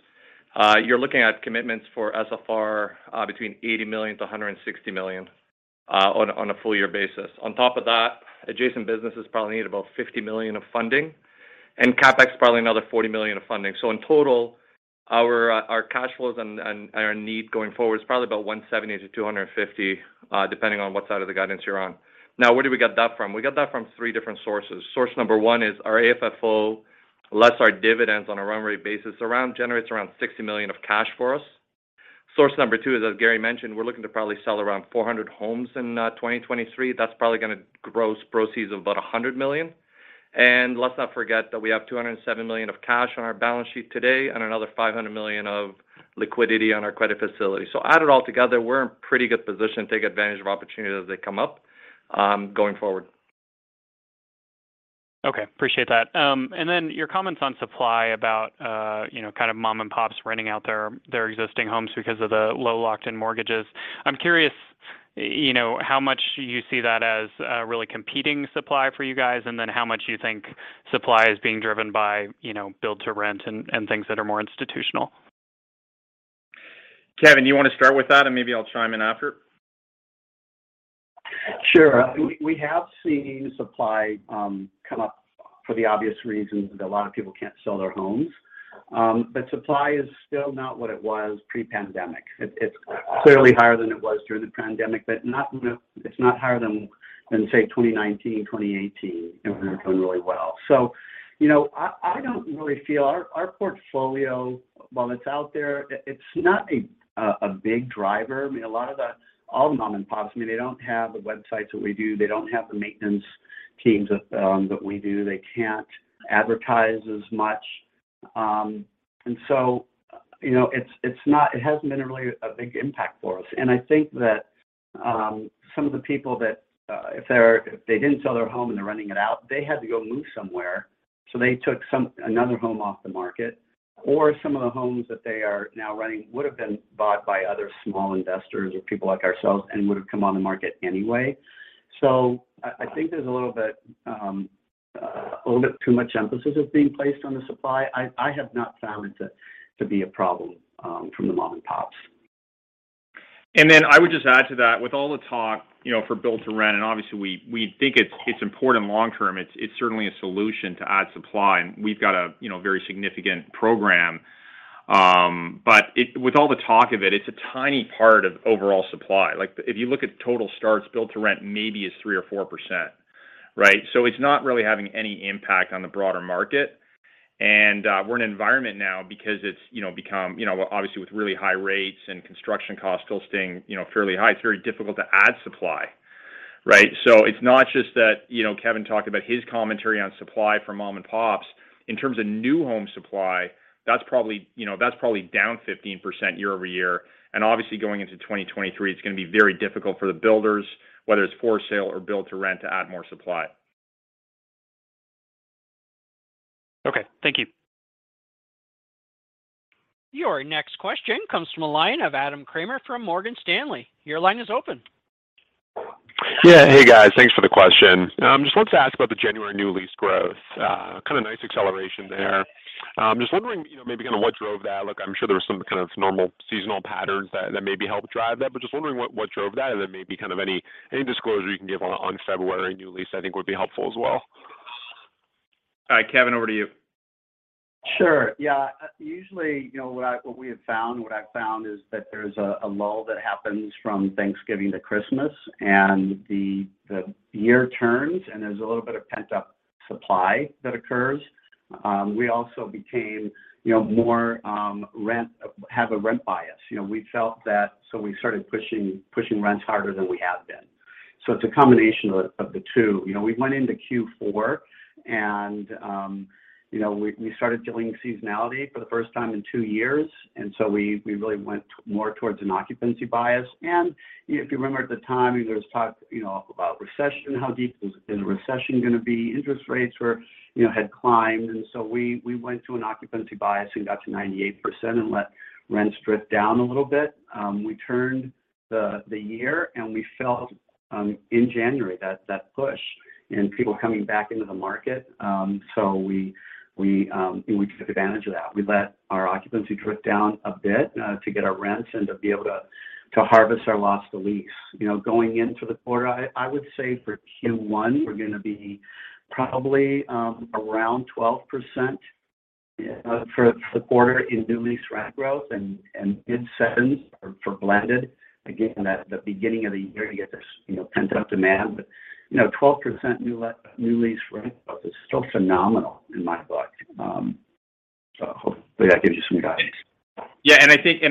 you're looking at commitments for SFR between $80 million-$160 million on a full-year basis. On top of that, adjacent businesses probably need about $50 million of funding, and CapEx probably another $40 million of funding. In total, our cash flows and our need going forward is probably about $170 million-$250 million, depending on what side of the guidance you're on. Where do we get that from? We get that from three different sources. Source number one is our AFFO, less our dividends on a run rate basis. Generates around $60 million of cash for us. Source number two is, as Gary mentioned, we're looking to probably sell around 400 homes in 2023. That's probably gonna gross proceeds of about $100 million. Let's not forget that we have $207 million of cash on our balance sheet today and another $500 million of liquidity on our credit facility. Add it all together, we're in pretty good position to take advantage of opportunities as they come up going forward. Okay. Appreciate that. Your comments on supply about, you know, kind of mom and pops renting out their existing homes because of the low locked-in mortgages. I'm curious, you know, how much you see that as really competing supply for you guys, and then how much you think supply is being driven by, you know, build-to-rent and things that are more institutional? Kevin, you wanna start with that and maybe I'll chime in after? Sure. We have seen supply come up for the obvious reasons that a lot of people can't sell their homes. Supply is still not what it was pre-pandemic. It's clearly higher than it was during the pandemic, but it's not higher than say 2019, 2018 when we were doing really well. You know, I don't really feel our portfolio, while it's out there, it's not a big driver. I mean, all the mom and pops, I mean, they don't have the websites that we do. They don't have the maintenance teams that we do. They can't advertise as much. You know, it hasn't been really a big impact for us. I think that, some of the people that, if they didn't sell their home and they're renting it out, they had to go move somewhere. They took another home off the market, or some of the homes that they are now renting would have been bought by other small investors or people like ourselves and would have come on the market anyway. I think there's a little bit, a little bit too much emphasis is being placed on the supply. I have not found it to be a problem from the mom and pops. Then I would just add to that with all the talk, you know, for build-to-rent, and obviously we think it's important long term. It's certainly a solution to add supply, and we've got a, you know, very significant program. But with all the talk of it's a tiny part of overall supply. Like, if you look at total starts, build-to-rent maybe is 3% or 4%, right? It's not really having any impact on the broader market. We're in an environment now because it's, you know, become, you know, obviously with really high rates and construction costs still staying, you know, fairly high, it's very difficult to add supply, right? It's not just that, you know, Kevin talked about his commentary on supply for mom-and-pops. In terms of new home supply, that's probably, you know, that's probably down 15% year-over-year, and obviously going into 2023, it's gonna be very difficult for the builders, whether it's for sale or build-to-rent, to add more supply. Okay. Thank you. Your next question comes from the line of Adam Kramer from Morgan Stanley. Your line is open. Yeah. Hey, guys. Thanks for the question. Just wanted to ask about the January new lease growth. Kind of nice acceleration there. Just wondering, you know, maybe kind of what drove that. Look, I'm sure there was some kind of normal seasonal patterns that maybe helped drive that, but just wondering what drove that and then maybe kind of any disclosure you can give on February new lease I think would be helpful as well. All right, Kevin, over to you. Sure. Yeah. Usually, you know, what I've found is that there's a lull that happens from Thanksgiving to Christmas and the year turns, and there's a little bit of pent-up supply that occurs. We also became, you know, more, have a rent bias. You know, we felt that, so we started pushing rents harder than we have been. It's a combination of the two. You know, we went into Q4 and, you know, we started dealing with seasonality for the first time in two years, and so we really went more towards an occupancy bias. If you remember at the time, there was talk, you know, about recession, how deep is the recession gonna be. Interest rates were, you know, had climbed. And so we, we went to an occupancy bias and got to 98% and let rents drift down a little bit. Um, we turned the, the year, and we felt, um, in January that, that push in people coming back into the market. Um, so we, we, um, you know, we took advantage of that. We let our occupancy drift down a bit, uh, to get our rents and to be able to, to harvest our loss to lease. You know, going into the quarter, I, I would say for Q1, we're gonna be probably, um, around twelve percent, uh, for, for the quarter in new lease rent growth and, and mid-sevens for, for blended. Again, at the beginning of the year, you get this, you know, pent-up demand. But, you know, twelve percent new le- new lease rent growth is still phenomenal in my book. Hopefully that gives you some guidance. Yeah.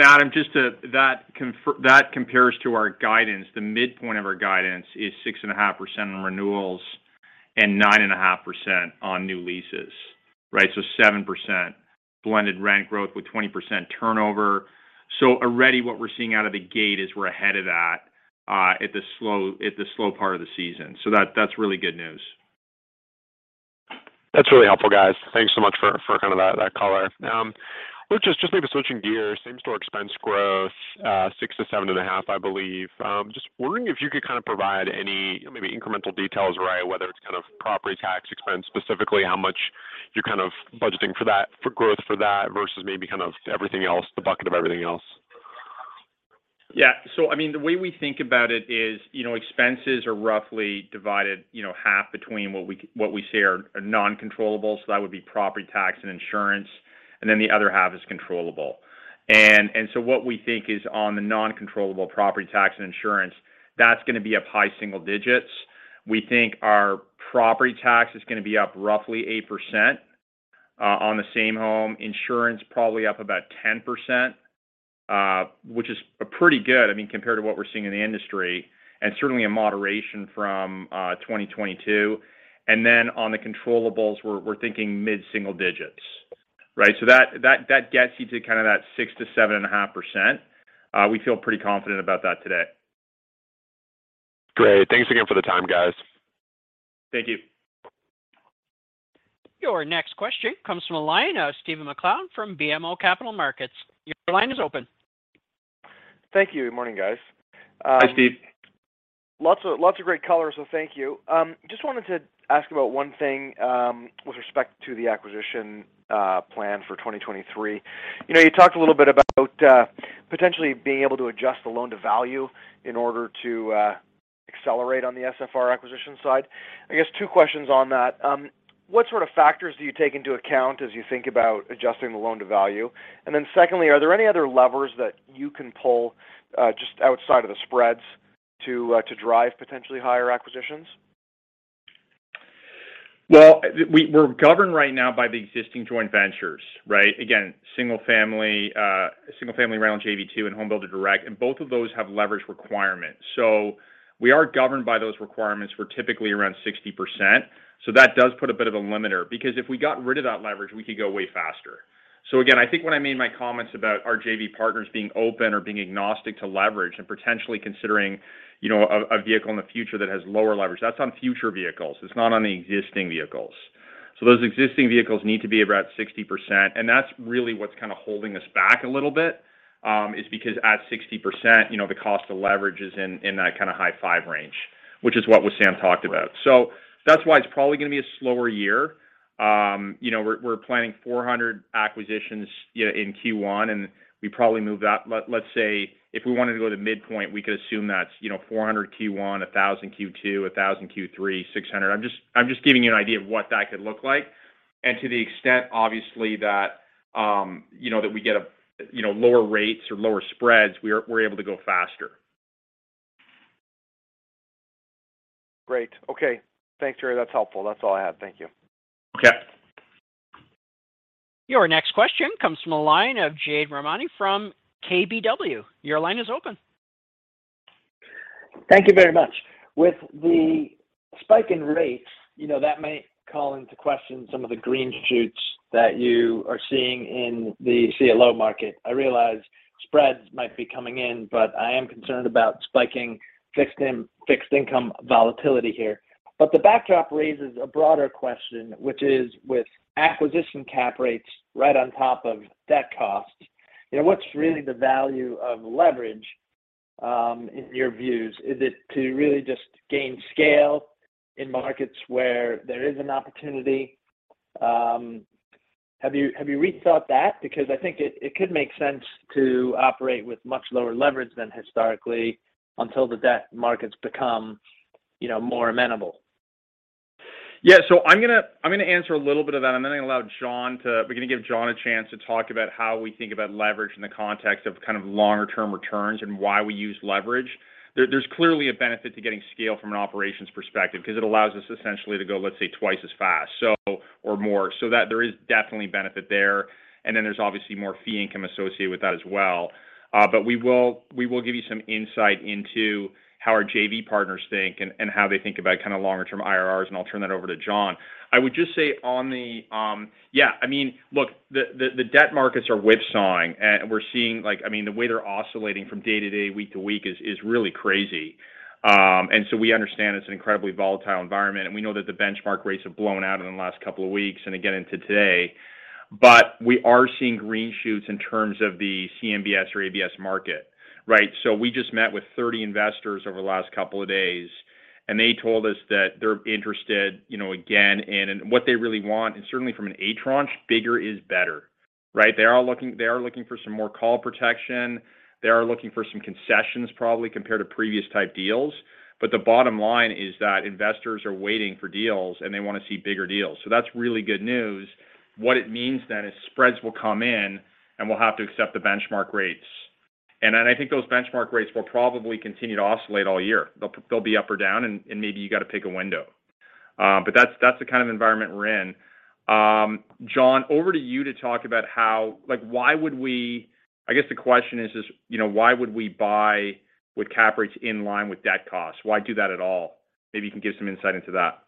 Adam, just to that compares to our guidance. The midpoint of our guidance is 6.5% on renewals and 9.5% on new leases, right? 7% blended rent growth with 20% turnover. Already what we're seeing out of the gate is we're ahead of that, at the slow part of the season. That's really good news. That's really helpful, guys. Thanks so much for kind of that color. Let's just maybe switching gears, same-store expense growth, 6%-7.5%, I believe. Just wondering if you could kind of provide any maybe incremental details, right? Whether it's kind of property tax expense, specifically how much you're kind of budgeting for that, for growth for that versus maybe kind of everything else, the bucket of everything else. I mean, the way we think about it is, you know, expenses are roughly divided, you know, half between what we say are non-controllable, so that would be property tax and insurance, and then the other half is controllable. What we think is on the non-controllable property tax and insurance, that's gonna be up high-single digits. We think our property tax is gonna be up roughly 8% on the same home. Insurance probably up about 10%, which is pretty good, I mean, compared to what we're seeing in the industry, and certainly a moderation from 2022. On the controllables, we're thinking mid-single digits, right? That gets you to kind of that 6%-7.5%. We feel pretty confident about that today. Great. Thanks again for the time, guys. Thank you. Your next question comes from the line of Stephen MacLeod from BMO Capital Markets. Your line is open. Thank you. Morning, guys. Hi, Steve. Lots of great color, thank you. Just wanted to ask about one thing, with respect to the acquisition plan for 2023. You know, you talked a little bit about potentially being able to adjust the loan-to-value in order to accelerate on the SFR acquisition side. I guess two questions on that. What sort of factors do you take into account as you think about adjusting the loan-to-value? Secondly, are there any other levers that you can pull just outside of the spreads to drive potentially higher acquisitions? Well, we're governed right now by the existing joint ventures, right. Again, single family, single family rental JV-2 and Homebuilder Direct, and both of those have leverage requirements. We are governed by those requirements. We're typically around 60%, so that does put a bit of a limiter. Because if we got rid of that leverage, we could go way faster. Again, I think when I made my comments about our JV partners being open or being agnostic to leverage and potentially considering, you know, a vehicle in the future that has lower leverage. That's on future vehicles, it's not on the existing vehicles. Those existing vehicles need to be about 60%, and that's really what's kind of holding us back a little bit, is because at 60%, you know, the cost of leverage is in that kind of high five range, which is what Wissam talked about. That's why it's probably gonna be a slower year. We're planning 400 acquisitions, you know, in Q1, and we probably move that. Let's say if we wanted to go to midpoint, we could assume that's, you know, 400 Q1, 1,000 Q2, 1,000 Q3, 600. I'm just giving you an idea of what that could look like. To the extent obviously that we get lower rates or lower spreads, we're able to go faster. Great. Thanks, Gary. That's helpful. That's all I had. Thank you. Okay. Your next question comes from the line of Jade Rahmani from KBW. Your line is open. Thank you very much. With the spike in rates, you know, that may call into question some of the green shoots that you are seeing in the CLO market. I realize spreads might be coming in, but I am concerned about spiking fixed income volatility here. The backdrop raises a broader question, which is with acquisition cap rates right on top of debt costs, you know, what's really the value of leverage in your views? Is it to really just gain scale in markets where there is an opportunity? Have you rethought that? Because I think it could make sense to operate with much lower leverage than historically until the debt markets become, you know, more amenable. I'm gonna answer a little bit of that, and then I'm gonna allow Jon to give Jon a chance to talk about how we think about leverage in the context of longer term returns and why we use leverage. There's clearly a benefit to getting scale from an operations perspective 'cause it allows us essentially to go, let's say, twice as fast or more. That there is definitely benefit there, and then there's obviously more fee income associated with that as well. We will give you some insight into how our JV partners think and how they think about longer term IRRs, and I'll turn that over to Jon. I would just say on the. I mean, look, the debt markets are whipsawing and we're seeing like, I mean, the way they're oscillating from day to day, week to week is really crazy. We understand it's an incredibly volatile environment, and we know that the benchmark rates have blown out in the last couple of weeks and again into today. We are seeing green shoots in terms of the CMBS or ABS market, right? We just met with 30 investors over the last couple of days, and they told us that they're interested, you know, again, and what they really want, and certainly from an A tranche, bigger is better, right? They are looking for some more call protection. They are looking for some concessions probably compared to previous type deals. The bottom line is that investors are waiting for deals, and they wanna see bigger deals. That's really good news. What it means then is spreads will come in, and we'll have to accept the benchmark rates. I think those benchmark rates will probably continue to oscillate all year. They'll be up or down and maybe you gotta pick a window. But that's the kind of environment we're in. Jon, over to you to talk about how... like, I guess the question is, you know, why would we buy with cap rates in line with debt costs? Why do that at all? Maybe you can give some insight into that.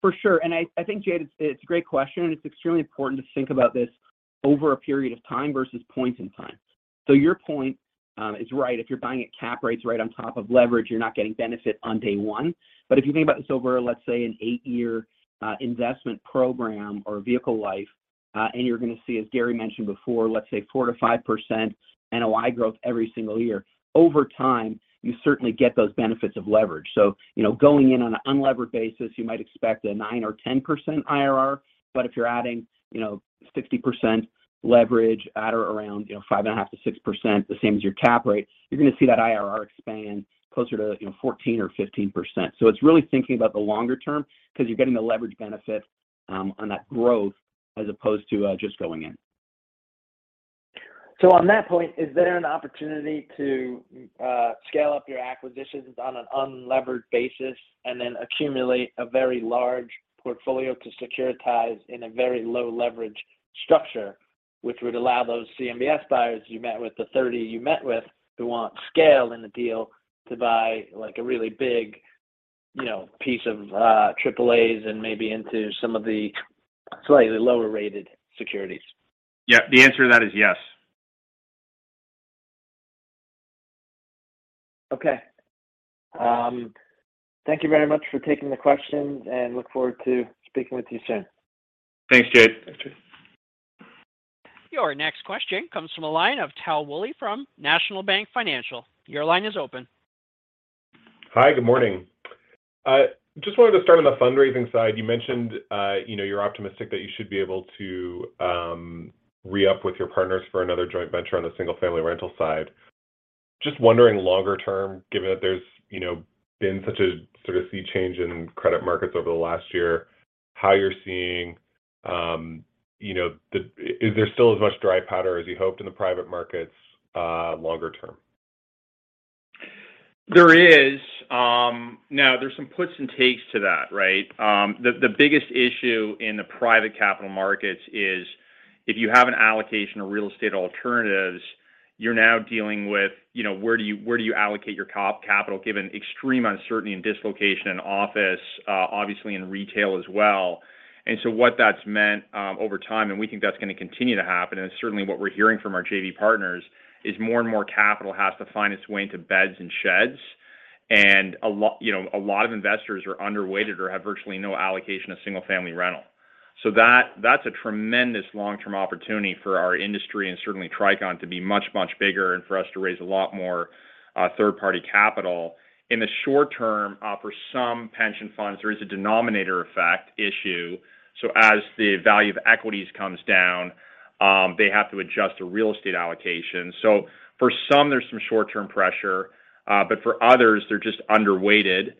For sure. I think, Jade, it's a great question, and it's extremely important to think about this over a period of time versus points in time. Your point is right. If you're buying at cap rates right on top of leverage, you're not getting benefit on day one. If you think about this over, let's say, an eight-year investment program or vehicle life, and you're gonna see, as Gary mentioned before, let's say 4% to 5% NOI growth every single year. Over time, you certainly get those benefits of leverage. You know, going in on an unlevered basis, you might expect a 9% or 10% IRR. If you're adding, you know, 60% leverage at or around, you know, 5.5%-6%, the same as your cap rate, you're gonna see that IRR expand closer to, you know, 14% or 15%. It's really thinking about the longer term 'cause you're getting the leverage benefit on that growth as opposed to just going in. On that point, is there an opportunity to scale up your acquisitions on an unlevered basis and then accumulate a very large portfolio to securitize in a very low leverage structure, which would allow those CMBS buyers you met with, the 30 you met with, who want scale in the deal to buy like a really big, you know, piece of AAAs and maybe into some of the slightly lower rated securities? Yeah, the answer to that is yes. Okay. Thank you very much for taking the questions, look forward to speaking with you soon. Thanks, Jade. Thanks, Jade. Your next question comes from the line of Tal Woolley from National Bank Financial. Your line is open. Hi, good morning. I just wanted to start on the fundraising side. You mentioned, you know, you're optimistic that you should be able to re-up with your partners for another joint venture on the single-family rental side. Just wondering longer term, given that there's, you know, been such a sort of sea change in credit markets over the last year, how you're seeing, you know, is there still as much dry powder as you hoped in the private markets, longer term? There is. Now there's some puts and takes to that, right? The biggest issue in the private capital markets is if you have an allocation of real estate alternatives, you're now dealing with, you know, where do you, where do you allocate your capital given extreme uncertainty and dislocation in office, obviously in retail as well. What that's meant over time, and we think that's gonna continue to happen, and it's certainly what we're hearing from our JV partners, is more and more capital has to find its way into beds and sheds. You know, a lot of investors are underweighted or have virtually no allocation of single-family rental. That, that's a tremendous long-term opportunity for our industry and certainly Tricon to be much bigger and for us to raise a lot more third-party capital. In the short term, for some pension funds, there is a denominator effect issue. As the value of equities comes down, they have to adjust the real estate allocation. For some, there's some short-term pressure, but for others they're just underweighted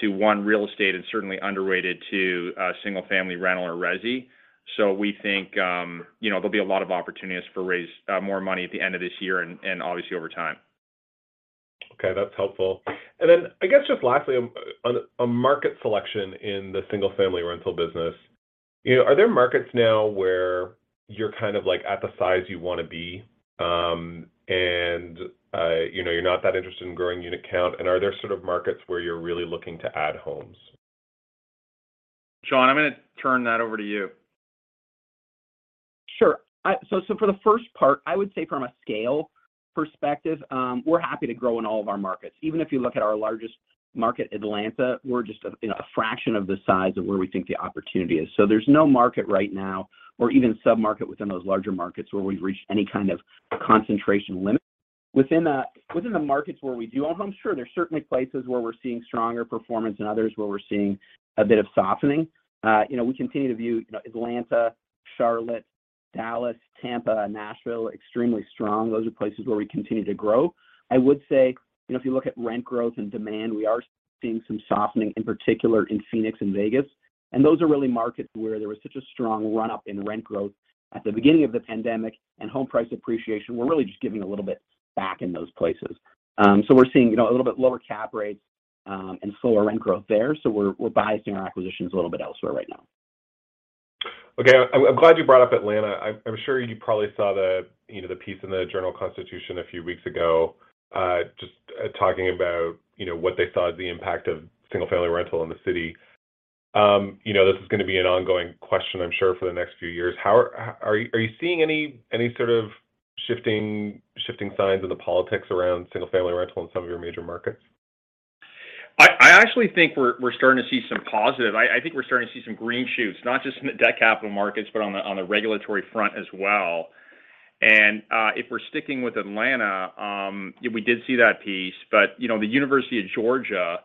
to one real estate and certainly underrated to single-family rental or resi. We think, you know, there'll be a lot of opportunities for raise more money at the end of this year and obviously over time. Okay, that's helpful. I guess just lastly, on a market selection in the single-family rental business. You know, are there markets now where you're kind of like at the size you wanna be, and, you know, you're not that interested in growing unit count? Are there sort of markets where you're really looking to add homes? Jon, I'm gonna turn that over to you. Sure. For the first part, I would say from a scale perspective, we're happy to grow in all of our markets. Even if you look at our largest market, Atlanta, we're just a, you know, a fraction of the size of where we think the opportunity is. There's no market right now or even sub-market within those larger markets where we've reached any kind of concentration limit. Within the markets where we do own homes, sure, there's certainly places where we're seeing stronger performance than others where we're seeing a bit of softening. You know, we continue to view, you know, Atlanta, Charlotte, Dallas, Tampa, Nashville, extremely strong. Those are places where we continue to grow. I would say, you know, if you look at rent growth and demand, we are seeing some softening, in particular in Phoenix and Vegas, and those are really markets where there was such a strong run-up in rent growth at the beginning of the pandemic, and home price appreciation were really just giving a little bit back in those places. We're seeing, you know, a little bit lower cap rates, and slower rent growth there. We're biasing our acquisitions a little bit elsewhere right now. Okay. I'm glad you brought up Atlanta. I'm sure you probably saw the, you know, the piece in the Journal-Constitution a few weeks ago, just talking about, you know, what they saw as the impact of single-family rental in the city. You know, this is gonna be an ongoing question, I'm sure, for the next few years. Are you seeing any sort of shifting signs in the politics around single-family rental in some of your major markets? I actually think we're starting to see some positive. I think we're starting to see some green shoots, not just in the debt capital markets, but on the regulatory front as well. If we're sticking with Atlanta, yeah, we did see that piece, but, you know, the University of Georgia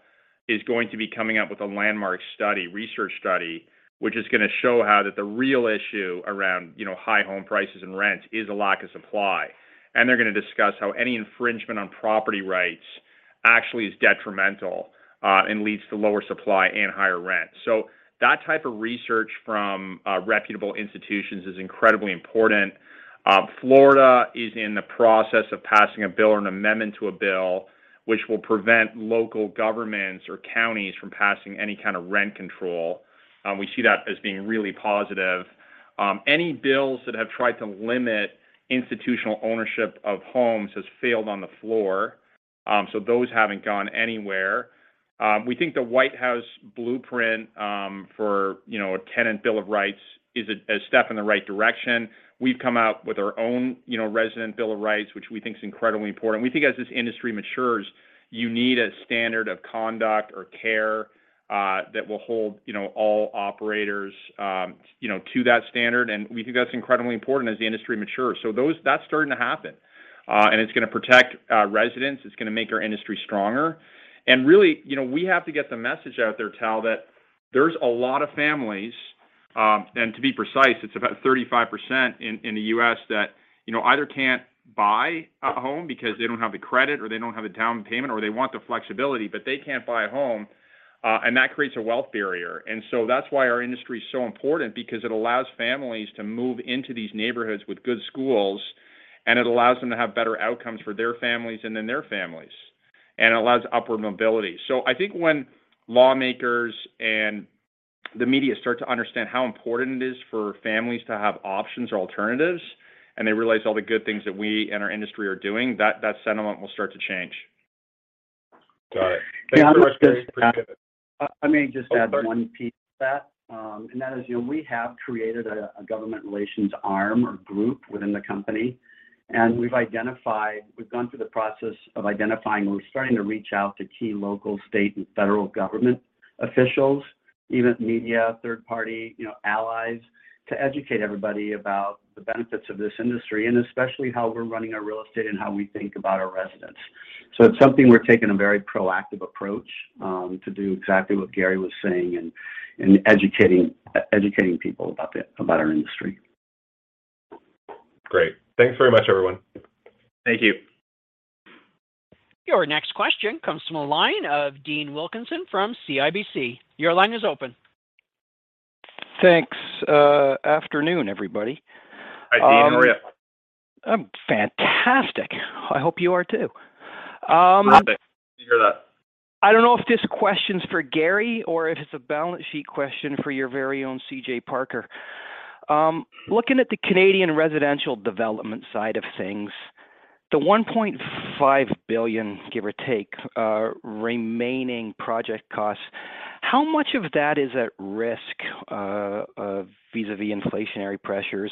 is going to be coming out with a landmark study, research study, which is going to show how that the real issue around, you know, high home prices and rents is a lack of supply. They're going to discuss how any infringement on property rights actually is detrimental and leads to lower supply and higher rent. That type of research from reputable institutions is incredibly important. Florida is in the process of passing a bill or an amendment to a bill which will prevent local governments or counties from passing any kind of rent control. We see that as being really positive. Any bills that have tried to limit institutional ownership of homes has failed on the floor. Those haven't gone anywhere. We think the White House blueprint, for, you know, a tenant bill of rights is a step in the right direction. We've come out with our own, you know, resident bill of rights, which we think is incredibly important. We think as this industry matures, you need a standard of conduct or care, that will hold, you know, all operators, you know, to that standard, and we think that's incredibly important as the industry matures. Those. That's starting to happen. It's gonna protect residents, it's gonna make our industry stronger. Really, you know, we have to get the message out there, Tal, that there's a lot of families, and to be precise, it's about 35% in the U.S. that, you know, either can't buy a home because they don't have the credit or they don't have a down payment or they want the flexibility, but they can't buy a home, and that creates a wealth barrier. That's why our industry is so important because it allows families to move into these neighborhoods with good schools, and it allows them to have better outcomes for their families and then their families. It allows upward mobility. I think when lawmakers and the media start to understand how important it is for families to have options or alternatives, and they realize all the good things that we and our industry are doing, that sentiment will start to change. Got it. Thanks very much, Gary. Appreciate it. If I may just add one piece to that. That is, you know, we have created a government relations arm or group within the company, and we've gone through the process of identifying, and we're starting to reach out to key local, state, and federal government officials, even media, third party, you know, allies, to educate everybody about the benefits of this industry, and especially how we're running our real estate and how we think about our residents. It's something we're taking a very proactive approach to do exactly what Gary was saying in educating people about our industry. Great. Thanks very much, everyone. Thank you. Your next question comes from the line of Dean Wilkinson from CIBC. Your line is open. Thanks. Afternoon, everybody. Hi, Dean. How are you? I'm fantastic. I hope you are too. Fantastic to hear that. I don't know if this question's for Gary or if it's a balance sheet question for your very own CJ Parker. Looking at the Canadian residential development side of things, the $1.5 billion, give or take, remaining project costs, how much of that is at risk vis-a-vis inflationary pressures?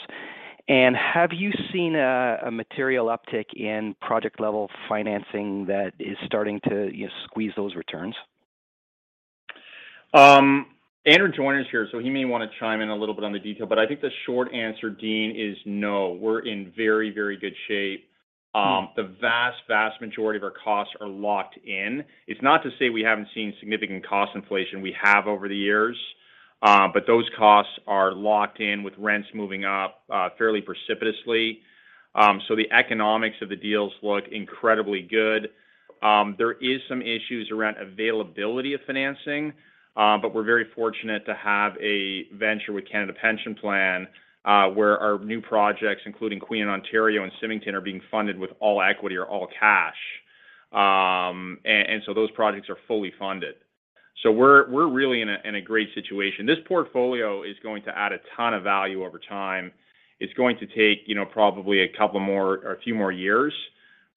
Have you seen a material uptick in project-level financing that is starting to, you know, squeeze those returns? Andrew Joyner is here, so he may want to chime in a little bit on the detail. I think the short answer, Dean, is no. We're in very, very good shape. The vast majority of our costs are locked in. It's not to say we haven't seen significant cost inflation, we have over the years, but those costs are locked in with rents moving up fairly precipitously. The economics of the deals look incredibly good. There is some issues around availability of financing, but we're very fortunate to have a venture with Canada Pension Plan, where our new projects, including Queen and Ontario and Symington, are being funded with all equity or all cash. Those projects are fully funded. We're really in a great situation. This portfolio is going to add a ton of value over time. It's going to take, you know, probably a couple more or a few more years.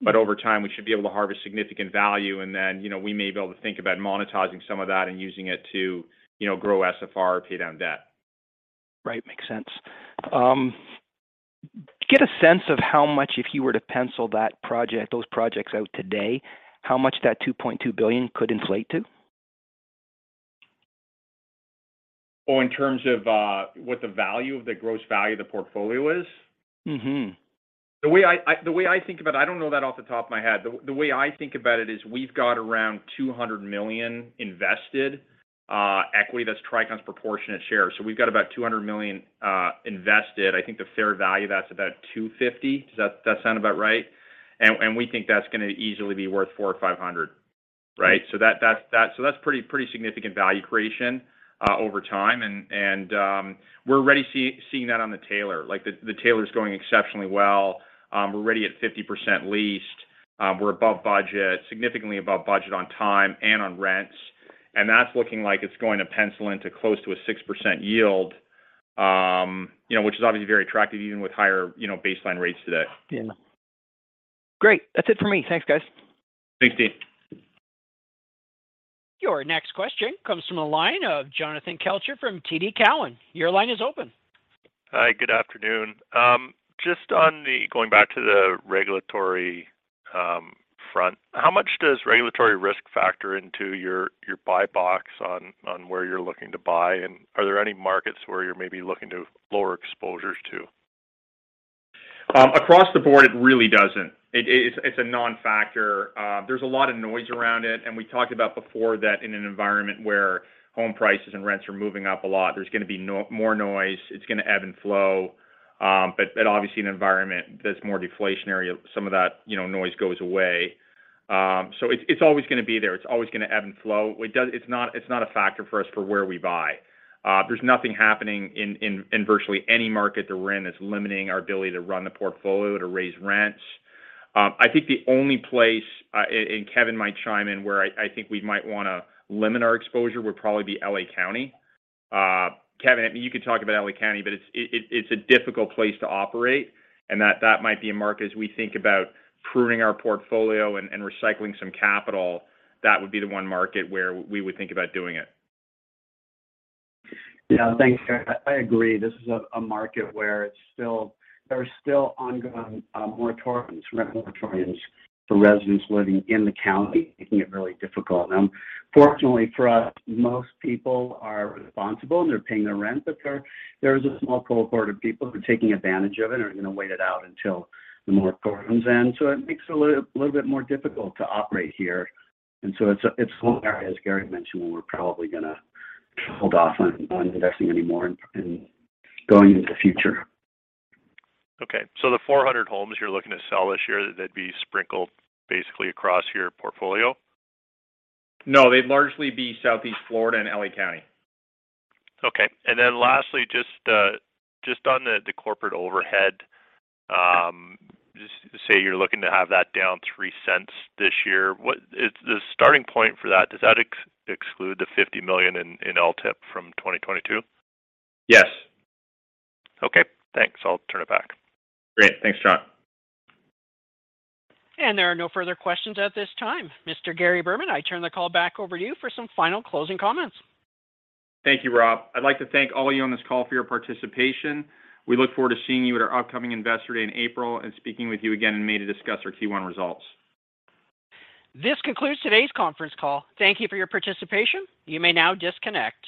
Over time, we should be able to harvest significant value, and then, you know, we may be able to think about monetizing some of that and using it to, you know, grow SFR or pay down debt. Right. Makes sense. Get a sense of how much, if you were to pencil that those projects out today, how much that $2.2 billion could inflate to. Oh, in terms of, what the value of the gross value of the portfolio is? Mm-hmm. The way I think about it, I don't know that off the top of my head. The way I think about it is we've got around $200 million invested, equity, that's Tricon's proportionate share. We've got about $200 million invested. I think the fair value, that's about $250 million. Does that sound about right? We think that's gonna easily be worth $400 million or $500 million, right? That's pretty significant value creation over time. We're already seeing that on The Taylor. Like, The Taylor is going exceptionally well. We're already at 50% leased. We're above budget, significantly above budget on time and on rents. That's looking like it's going to pencil into close to a 6% yield, you know, which is obviously very attractive even with higher, you know, baseline rates today. Yeah. Great. That's it for me. Thanks, guys. Thanks, Dean. Your next question comes from the line of Jonathan Kelcher from TD Cowen. Your line is open. Hi, good afternoon. Just going back to the regulatory front, how much does regulatory risk factor into your buy box on where you're looking to buy? Are there any markets where you're maybe looking to lower exposures to? Across the board, it really doesn't. It's a non-factor. There's a lot of noise around it, we talked about before that in an environment where home prices and rents are moving up a lot, there's gonna be more noise. It's gonna ebb and flow. Obviously, an environment that's more deflationary, some of that, you know, noise goes away. It's, it's always gonna be there. It's always gonna ebb and flow. It's not, it's not a factor for us for where we buy. There's nothing happening in virtually any market that we're in that's limiting our ability to run the portfolio to raise rents. I think the only place, Kevin might chime in, where I think we might wanna limit our exposure would probably be L.A. County. Kevin, you could talk about L.A. County. It's a difficult place to operate. That might be a market as we think about pruning our portfolio and recycling some capital. That would be the one market where we would think about doing it. Yeah. Thanks, Gary. I agree. This is a market where there are still ongoing moratoriums, rent moratoriums for residents living in the county, making it really difficult. Fortunately for us, most people are responsible, and they're paying their rent. There is a small cohort of people who are taking advantage of it and are gonna wait it out until the moratoriums end. It makes it a little bit more difficult to operate here. It's one area, as Gary mentioned, where we're probably gonna hold off on investing anymore in going into the future. Okay. The 400 homes you're looking to sell this year, they'd be sprinkled basically across your portfolio? No. They'd largely be Southeast Florida and L.A. County. Lastly, just on the corporate overhead, just say you're looking to have that down $0.03 this year. Is the starting point for that, does that exclude the $50 million in LTIP from 2022? Yes. Okay, thanks. I'll turn it back. Great. Thanks, Jon. There are no further questions at this time. Mr. Gary Berman, I turn the call back over to you for some final closing comments. Thank you, Rob. I'd like to thank all of you on this call for your participation. We look forward to seeing you at our upcoming Investor Day in April and speaking with you again in May to discuss our Q1 results. This concludes today's conference call. Thank you for your participation. You may now disconnect.